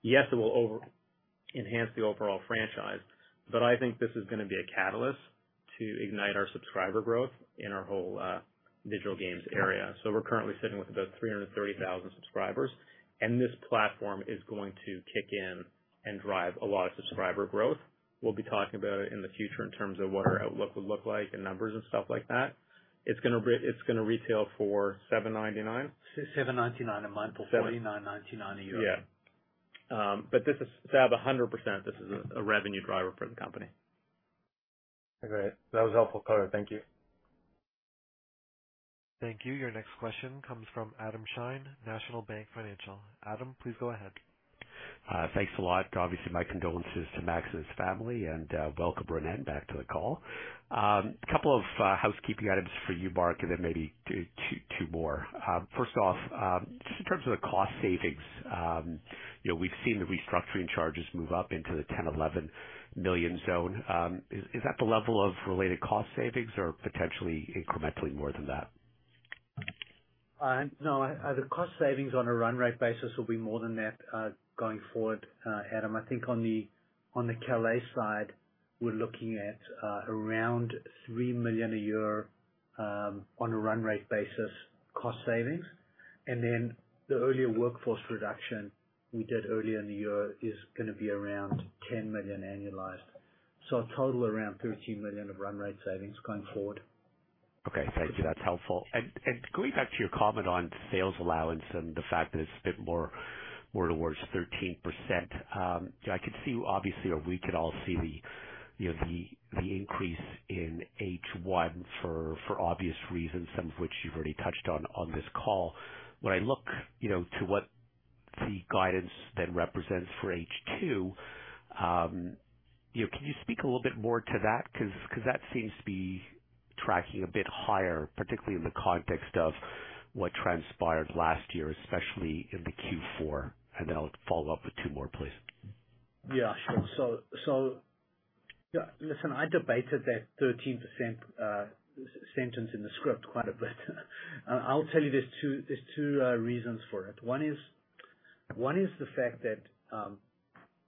Yes, it will over... enhance the overall franchise, but I think this is gonna be a catalyst to ignite our subscriber growth in our whole digital games area. we're currently sitting with about 330,000 subscribers, and this platform is going to kick in and drive a lot of subscriber growth. We'll be talking about it in the future in terms of what our outlook would look like and numbers and stuff like that. It's gonna retail for 7.99? 7.99 a month or 49.99 a year. Yeah. This is to have 100%, this is a revenue driver for the company. Great! That was helpful color. Thank you. Thank you. Your next question comes from Adam Shine, National Bank Financial. Adam, please go ahead. Thanks a lot. Obviously, my condolences to Max and his family, and welcome, Ronnen, back to the call. A couple of housekeeping items for you, Mark, and then maybe two, two more. First off, just in terms of the cost savings, you know, we've seen the restructuring charges move up into the 10 million-11 million zone. Is that the level of related cost savings or potentially incrementally more than that? No. The cost savings on a run rate basis will be more than that, going forward, Adam, I think on the Calais side, we're looking at, around 3 million a year, on a run rate basis, cost savings. The earlier workforce reduction we did earlier in the year is gonna be around 10 million annualized. A total around 13 million of run rate savings going forward. Okay, thank you. That's helpful. going back to your comment on sales allowance and the fact that it's a bit more, more towards 13%, I could see obviously, or we could all see the, you know, the, the increase in H1 for, for obvious reasons, some of which you've already touched on on this call. When I look, you know, to what the guidance then represents for H2, you know, can you speak a little bit more to that? 'Cause that seems to be tracking a bit higher, particularly in the context of what transpired last year, especially in the Q4. Then I'll follow-up with two more, please. Yeah, sure. Listen, I debated that 13% sentence in the script quite a bit. I'll tell you there's two, there's two reasons for it. One is, one is the fact that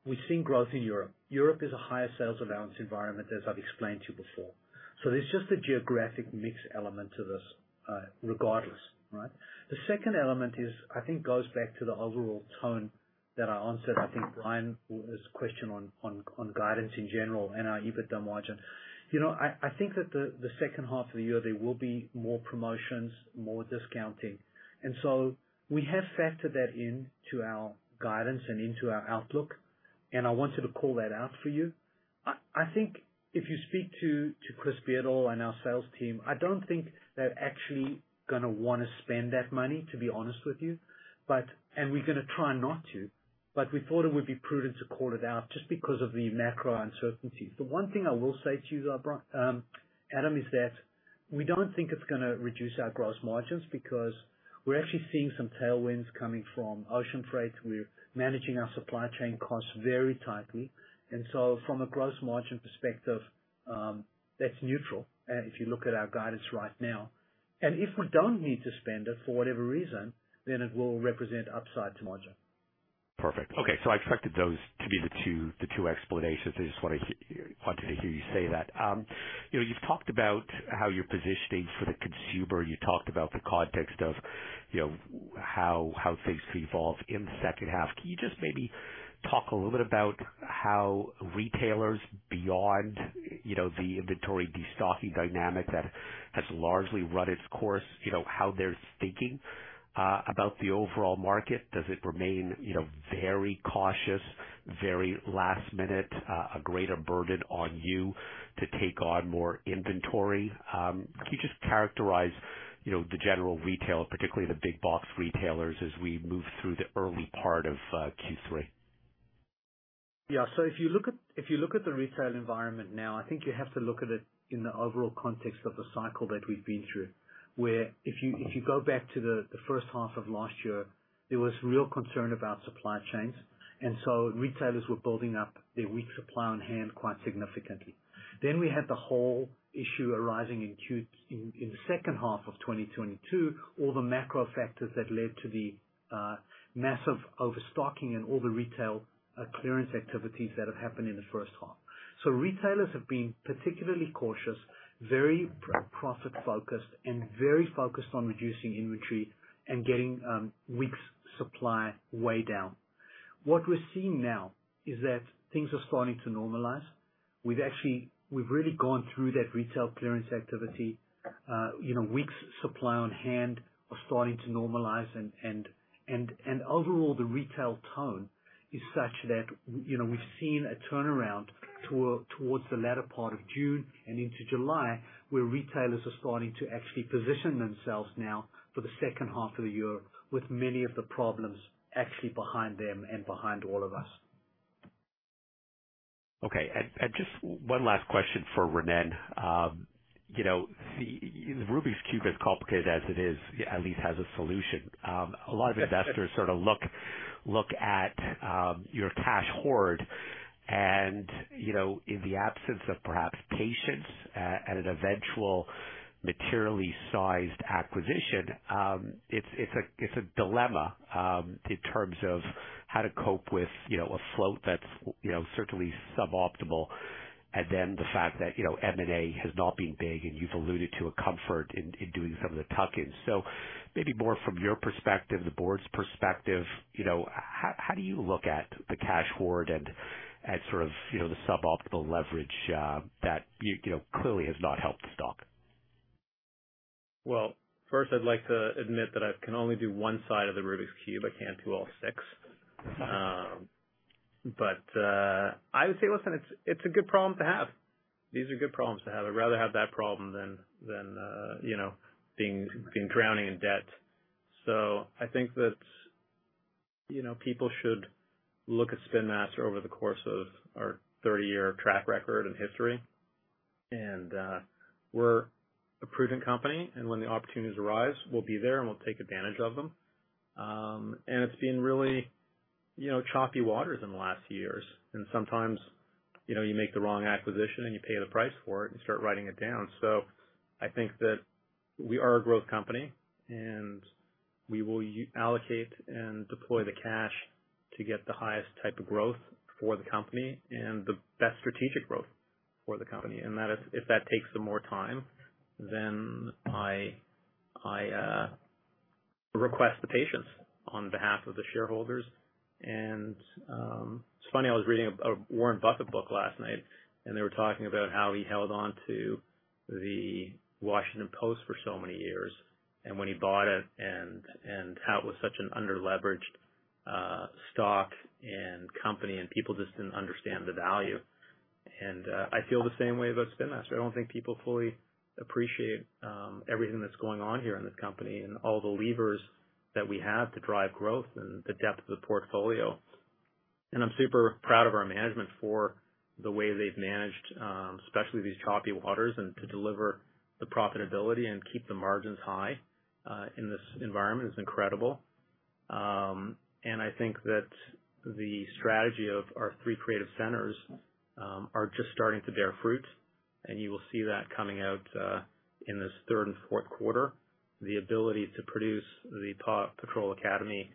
we've seen growth in Europe. Europe is a higher sales allowance environment, as I've explained to you before. There's just a geographic mix element to this, regardless, right? The second element is, I think, goes back to the overall tone that I answered, I think, Brian, this question on, on, on guidance in general and our EBITDA margin. You know, I, I think that the, the second half of the year, there will be more promotions, more discounting, and so we have factored that into our guidance and into our outlook, and I wanted to call that out for you. I think if you speak to Chris Beardall and our sales team, I don't think they're actually gonna wanna spend that money, to be honest with you. We're gonna try not to, but we thought it would be prudent to call it out just because of the macro uncertainties. The one thing I will say to you, Brian, Adam, is that we don't think it's gonna reduce our gross margins because we're actually seeing some tailwinds coming from ocean freight. We're managing our supply chain costs very tightly. So from a gross margin perspective, that's neutral if you look at our guidance right now. If we don't need to spend it for whatever reason, then it will represent upside to margin. Perfect. Okay, I expected those to be the two, the two explanations. I just wanna wanted to hear you say that. you know, you've talked about how you're positioning for the consumer. You talked about the context of, you know, how, how things evolve in the second half. Can you just maybe talk a little bit about how retailers beyond, you know, the inventory, destocking dynamic that has largely run its course, you know, how they're thinking about the overall market? Does it remain, you know, very cautious, very last minute, a greater burden on you to take on more inventory? Can you just characterize, you know, the general retailer, particularly the big box retailers, as we move through the early part of Q3? Yeah. If you look at, if you look at the retail environment now, I think you have to look at it in the overall context of the cycle that we've been through, where if you, if you go back to the first half of last year, there was real concern about supply chains, and so retailers were building up their weak supply on hand quite significantly. We had the whole issue arising in the second half of 2022, all the macro factors that led to the massive overstocking and all the retail clearance activities that have happened in the first half. Retailers have been particularly cautious, very profit focused and very focused on reducing inventory and getting weeks supply way down. What we're seeing now is that things are starting to normalize.... We've actually, we've really gone through that retail clearance activity. you know, weeks supply on hand are starting to normalize and overall, the retail tone is such that, you know, we've seen a turnaround towards the latter part of June and into July, where retailers are starting to actually position themselves now for the second half of the year, with many of the problems actually behind them and behind all of us. Okay. Just one last question for Ronnen. You know, the Rubik's Cube, as complicated as it is, at least has a solution. A lot of investors sort of look at your cash hoard and, you know, in the absence of perhaps patience and an eventual materially sized acquisition, it's a dilemma in terms of how to cope with, you know, a float that's, you know, certainly suboptimal. The fact that, you know, M&A has not been big, and you've alluded to a comfort in doing some of the tuck-ins. Maybe more from your perspective, the board's perspective, you know, how do you look at the cash hoard and at sort of, you know, the suboptimal leverage that, you know, clearly has not helped the stock? Well, first, I'd like to admit that I can only do one side of the Rubik's Cube. I can't do all six. I would say, listen, it's, it's a good problem to have. These are good problems to have. I'd rather have that problem than, than, you know, being, being drowning in debt. I think that, you know, people should look at Spin Master over the course of our 30-year track record and history, and, we're a prudent company, and when the opportunities arise, we'll be there, and we'll take advantage of them. It's been really, you know, choppy waters in the last few years, and sometimes, you know, you make the wrong acquisition, and you pay the price for it and start writing it down. I think that we are a growth company, and we will allocate and deploy the cash to get the highest type of growth for the company and the best strategic growth for the company. That is, if that takes some more time, then I, I request the patience on behalf of the shareholders. It's funny, I was reading a, a Warren Buffett book last night, and they were talking about how he held on to the Washington Post for so many years, and when he bought it and, and how it was such an underleveraged stock and company, and people just didn't understand the value. I feel the same way about Spin Master. I don't think people fully appreciate everything that's going on here in this company and all the levers that we have to drive growth and the depth of the portfolio. I'm super proud of our management for the way they've managed, especially these choppy waters, and to deliver the profitability and keep the margins high in this environment is incredible. I think that the strategy of our three creative centers are just starting to bear fruit, and you will see that coming out in this third and fourth quarter. The ability to produce the Paw Patrol Academy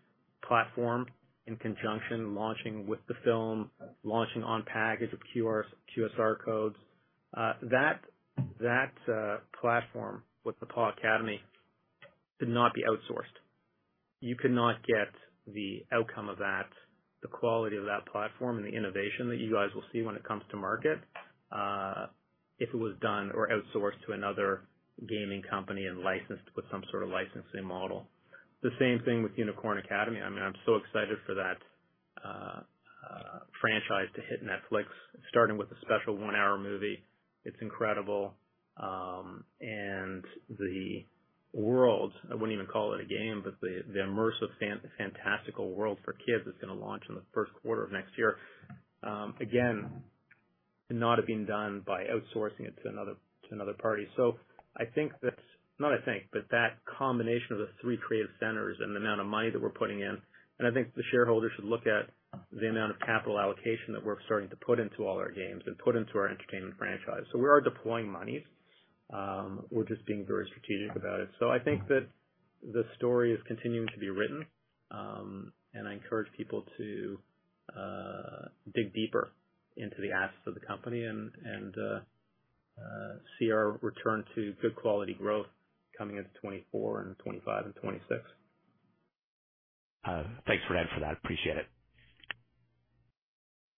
platform in conjunction, launching with the film, launching on package of QSR codes. That, that platform with the Paw Academy could not be outsourced. You could not get the outcome of that, the quality of that platform and the innovation that you guys will see when it comes to market, if it was done or outsourced to another gaming company and licensed with some sort of licensing model. The same thing with Unicorn Academy. I mean, I'm so excited for that franchise to hit Netflix, starting with a special one-hour movie. It's incredible. The world, I wouldn't even call it a game, but the, the immersive fantastical world for kids that's gonna launch in the first quarter of next year, again, could not have been done by outsourcing it to another, to another party. I think that, not I think, but that combination of the three creative centers and the amount of money that we're putting in, and I think the shareholders should look at the amount of capital allocation that we're starting to put into all our games and put into our entertainment franchise. We are deploying money. We're just being very strategic about it. I think that the story is continuing to be written, and I encourage people to dig deeper into the assets of the company and, and see our return to good quality growth coming into 2024 and 2025 and 2026. Thanks, Ronnen, for that. Appreciate it.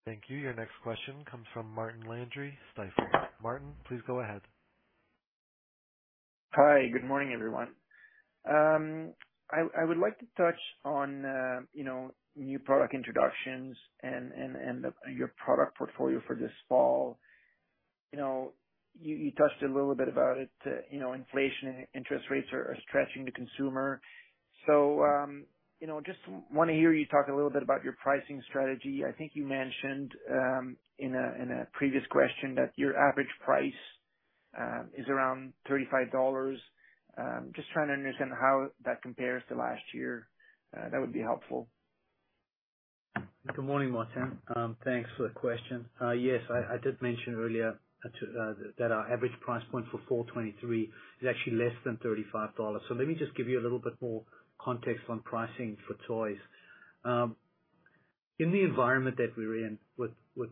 Thank you. Your next question comes from Martin Landry, Stifel. Martin, please go ahead. Hi, good morning, everyone. I, I would like to touch on, you know, new product introductions and, and, and the- your product portfolio for this fall. You know, you, you touched a little bit about it, you know, inflation and interest rates are, are stretching the consumer. You know, just want to hear you talk a little bit about your pricing strategy. I think you mentioned in a, in a previous question, that your average price is around $35. Just trying to understand how that compares to last year, that would be helpful. Good morning, Martin. Thanks for the question. Yes, I, I did mention earlier, to, that our average price point for 2023 is actually less than $35. Let me just give you a little bit more context on pricing for toys. In the environment that we're in, with, with,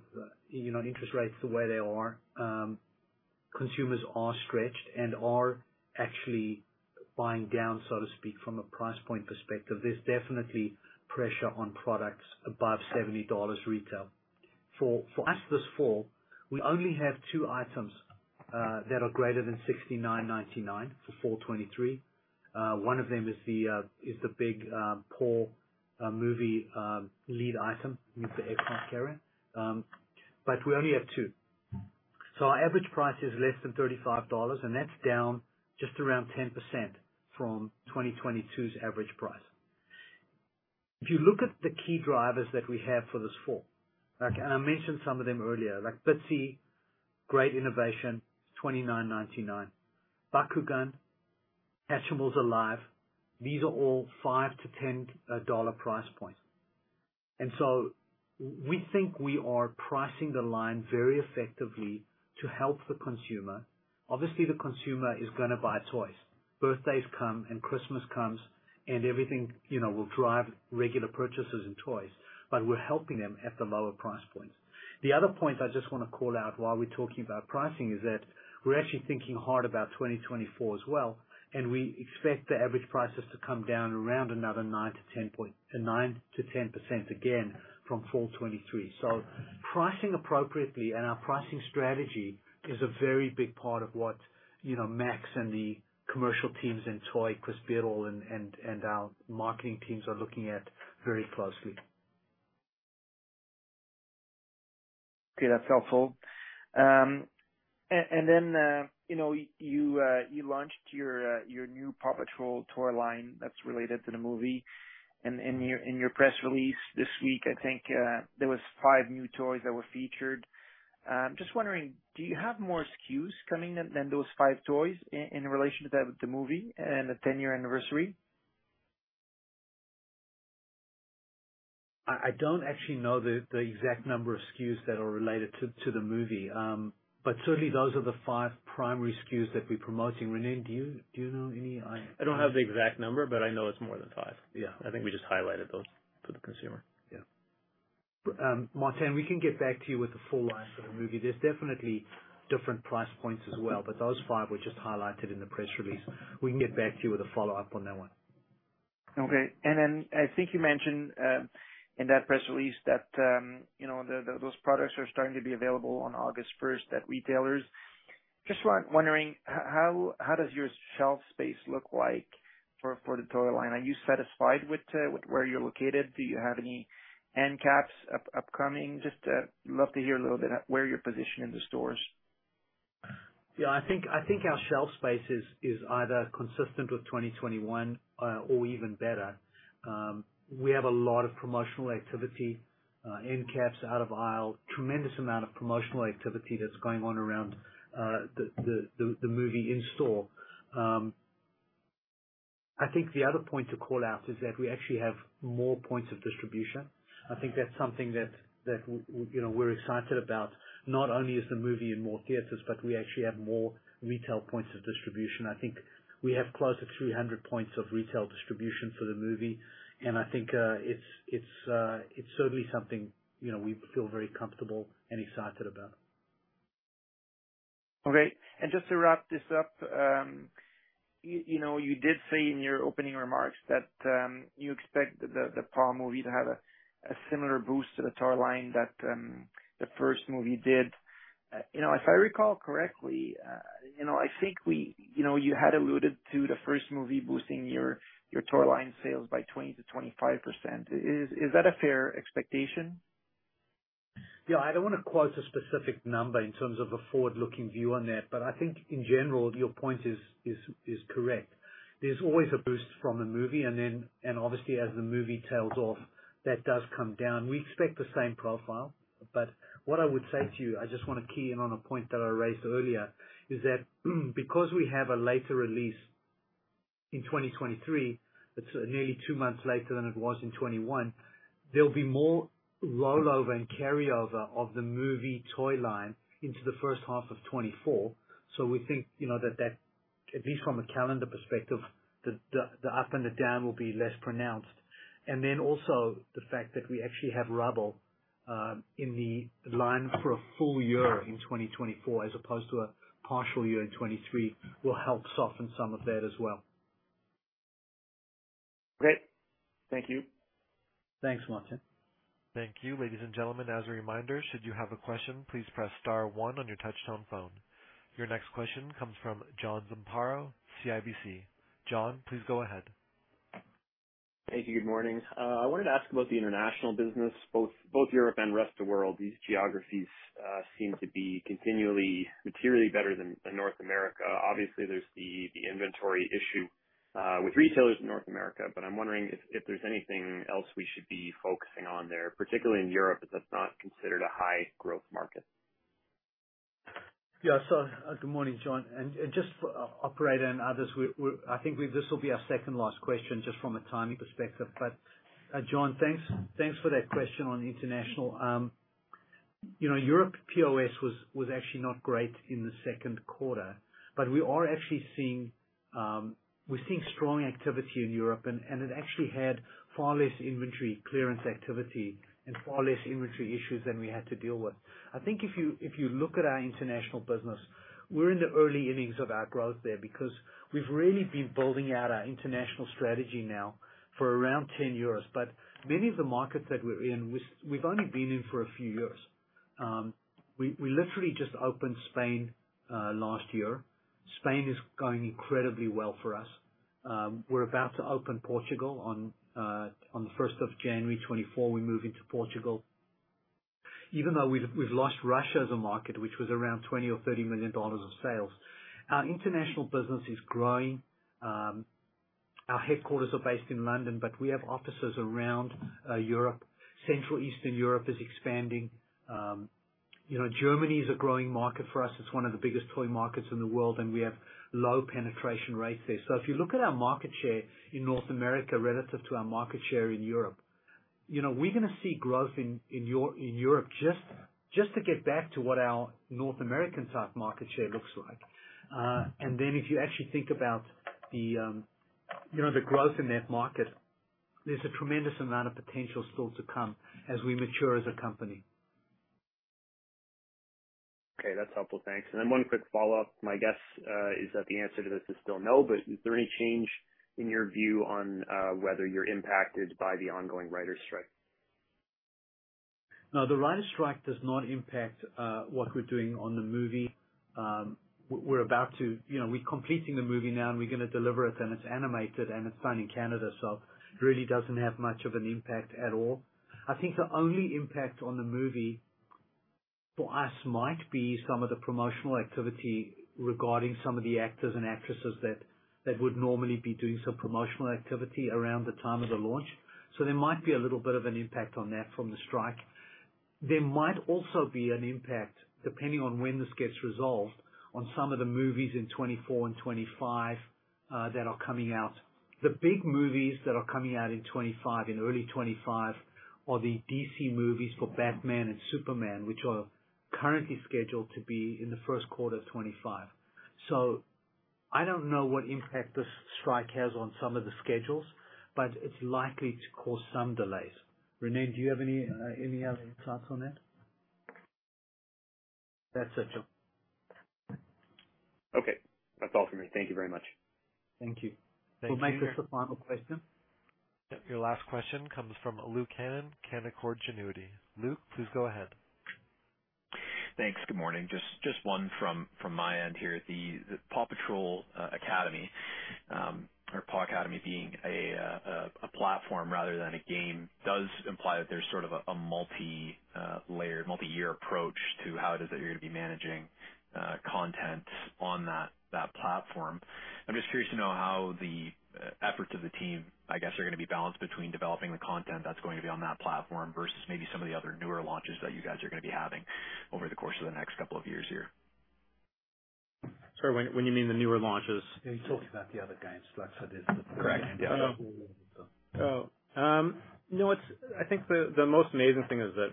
you know, interest rates the way they are. Consumers are stretched and are actually buying down, so to speak, from a price point perspective. There's definitely pressure on products above $70 retail. For us this fall, we only have two items that are greater than 69.99 for fall 2023. One of them is the big Paw movie lead item with the egg carrier. We only have two. Our average price is less than $35, and that's down just around 10% from 2022's average price. If you look at the key drivers that we have for this fall, like, and I mentioned some of them earlier, like Bitzee, great innovation, 29.99. Bakugan, Hatchimals Alive, these are all 5-10 dollar price points. We think we are pricing the line very effectively to help the consumer. Obviously, the consumer is gonna buy toys. Birthdays come and Christmas comes, and everything, you know, will drive regular purchases in toys, but we're helping them at the lower price points. The other point I just wanna call out while we're talking about pricing is that we're actually thinking hard about 2024 as well, and we expect the average prices to come down around another 9%-10% again from fall 2023. Pricing appropriately and our pricing strategy is a very big part of what, you know, Max and the commercial teams in toy, Chris Biddle and our marketing teams are looking at very closely. Okay, that's helpful. Then, you know, you launched your new Paw Patrol toy line that's related to the movie. In your, in your press release this week, I think, there was five new toys that were featured. Just wondering, do you have more SKUs coming than, than those 5 toys in relation to the movie and the 10-year anniversary? I, I don't actually know the, the exact number of SKUs that are related to, to the movie. Certainly those are the five primary SKUs that we're promoting. Ronnen, do you, do you know any? I don't have the exact number, but I know it's more than five. Yeah. I think we just highlighted those for the consumer. Yeah. Martin, we can get back to you with the full line for the movie. There's definitely different price points as well, but those five were just highlighted in the press release. We can get back to you with a follow-up on that one. Okay. Then I think you mentioned in that press release that, you know, the, the, those products are starting to be available on August first at retailers. Just want- wondering how, how does your shelf space look like for, for the toy line? Are you satisfied with where you're located? Do you have any end caps up- upcoming? Just love to hear a little bit about where you're positioned in the stores. Yeah, I think, I think our shelf space is, is either consistent with 2021 or even better. We have a lot of promotional activity, end caps, out of aisle, tremendous amount of promotional activity that's going on around the movie in store. I think the other point to call out is that we actually have more points of distribution. I think that's something that, you know, we're excited about, not only is the movie in more theaters, but we actually have more retail points of distribution. I think we have close to 300 points of retail distribution for the movie, and I think, it's, it's, it's certainly something, you know, we feel very comfortable and excited about. Okay. And just to wrap this up, you know, you did say in your opening remarks that, you expect the, the Paw movie to have a, a similar boost to the toy line that, the first movie did. You know, if I recall correctly, you know, you had alluded to the first movie boosting your, your toy line sales by 20%-25%. Is that a fair expectation? Yeah, I don't wanna quote a specific number in terms of a forward-looking view on that, but I think in general, your point is correct. There's always a boost from the movie, and then, obviously as the movie tails off, that does come down. We expect the same profile, but what I would say to you, I just wanna key in on a point that I raised earlier, is that because we have a later release in 2023, it's nearly two months later than it was in 2021, there'll be more rollover and carryover of the movie toy line into the first half of 2024. We think, you know, that at least from a calendar perspective, the up and the down will be less pronounced. Then also the fact that we actually have Rubble, in the line for a full year in 2024, as opposed to a partial year in 2023, will help soften some of that as well. Great. Thank you. Thanks, Martin. Thank you. Ladies, and gentlemen, as a reminder, should you have a question, please press star one on your touchtone phone. Your next question comes from John Zamparo, CIBC. John, please go ahead. Thank you. Good morning. I wanted to ask about the international business, both, both Europe and rest of the world. These geographies seem to be continually materially better than, than North America. Obviously, there's the, the inventory issue with retailers in North America, but I'm wondering if, if there's anything else we should be focusing on there, particularly in Europe, that's not considered a high growth market? Yeah. Good morning, John. Just for operator and others, I think this will be our second-to-last question, just from a timing perspective. John, thanks, thanks for that question on international. You know, Europe POS was actually not great in the second quarter, but we are actually seeing strong activity in Europe, and it actually had far less inventory clearance activity and far less inventory issues than we had to deal with. I think if you look at our international business, we're in the early innings of our growth there because we've really been building out our international strategy now for around 10 years. Many of the markets that we're in, we've only been in for a few years. We, we literally just opened Spain last year. Spain is going incredibly well for us. We're about to open Portugal on the first of January 2024, we move into Portugal. Even though we've, we've lost Russia as a market, which was around $20 million-$30 million of sales, our international business is growing. Our headquarters are based in London, but we have offices around Europe. Central Eastern Europe is expanding. You know, Germany is a growing market for us. It's one of the biggest toy markets in the world, and we have low penetration rates there. If you look at our market share in North America relative to our market share in Europe, you know, we're gonna see growth in, in Europe just, just to get back to what our North American type market share looks like. If you actually think about the, you know, the growth in that market, there's a tremendous amount of potential still to come as we mature as a company. Okay, that's helpful. Thanks. One quick follow-up. My guess is that the answer to this is still no, but is there any change in your view on whether you're impacted by the ongoing writers' strike? No, the writers' strike does not impact, what we're doing on the movie. You know, we're completing the movie now, and we're gonna deliver it, and it's animated, and it's done in Canada, so it really doesn't have much of an impact at all. I think the only impact on the movie for us might be some of the promotional activity regarding some of the actors and actresses that, that would normally be doing some promotional activity around the time of the launch. There might be a little bit of an impact on that from the strike. There might also be an impact, depending on when this gets resolved, on some of the movies in 2024 and 2025 that are coming out. The big movies that are coming out in 2025, in early 2025, are the D.C. movies for Batman and Superman, which are currently scheduled to be in the first quarter of 2025. I don't know what impact this strike has on some of the schedules, but it's likely to cause some delays. Rene, do you have any other insights on that? That's it, John. Okay. That's all from me. Thank you very much. Thank you. Thank you. We'll make this the final question. Yep. Your last question comes from Luke Hannan, Canaccord Genuity. Luke, please go ahead. Thanks. Good morning. Just, just one from my end here. The Paw Patrol Academy or Paw Academy being a platform rather than a game, does imply that there's sort of a multi-layer multi-year approach to how it is that you're gonna be managing content on that, that platform. I'm just curious to know how the efforts of the team, I guess, are gonna be balanced between developing the content that's going to be on that platform versus maybe some of the other newer launches that you guys are gonna be having over the course of the next couple of years here. Sorry, when you mean the newer launches? Yeah, he's talking about the other games. That's what. Correct. Yeah. Oh. You know, I think the, the most amazing thing is that,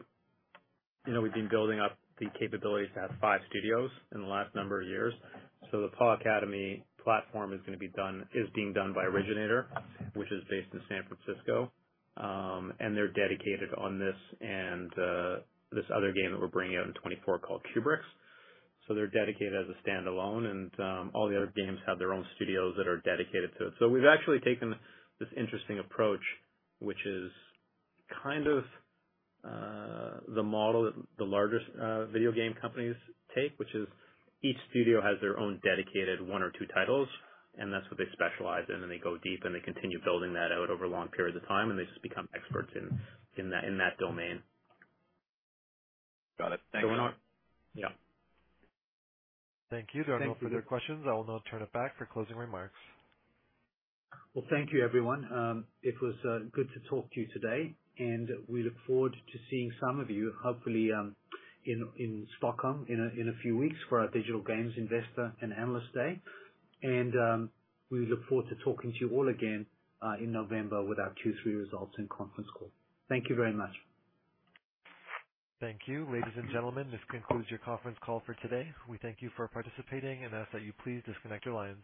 you know, we've been building up the capabilities to have five studios in the last number of years. The Paw Academy platform is being done by Originator, which is based in San Francisco. They're dedicated on this and this other game that we're bringing out in 2024 called Cubric. They're dedicated as a standalone, and all the other games have their own studios that are dedicated to it. We've actually taken this interesting approach, which is kind of, the model that the largest, video game companies take, which is each studio has their own dedicated one or two titles, and that's what they specialize in, and they go deep, and they continue building that out over long periods of time, and they just become experts in, in that, in that domain. Got it. Thank you. Going on. Yeah. Thank you. Thank you. There are no further questions. I will now turn it back for closing remarks. Well, thank you, everyone. It was good to talk to you today, and we look forward to seeing some of you, hopefully, in, in Stockholm in a few weeks for our Digital Games Investor and Analyst Day. We look forward to talking to you all again, in November with our Q3 results and conference call. Thank you very much. Thank you. Ladies, and gentlemen, this concludes your conference call for today. We thank you for participating and ask that you please disconnect your lines.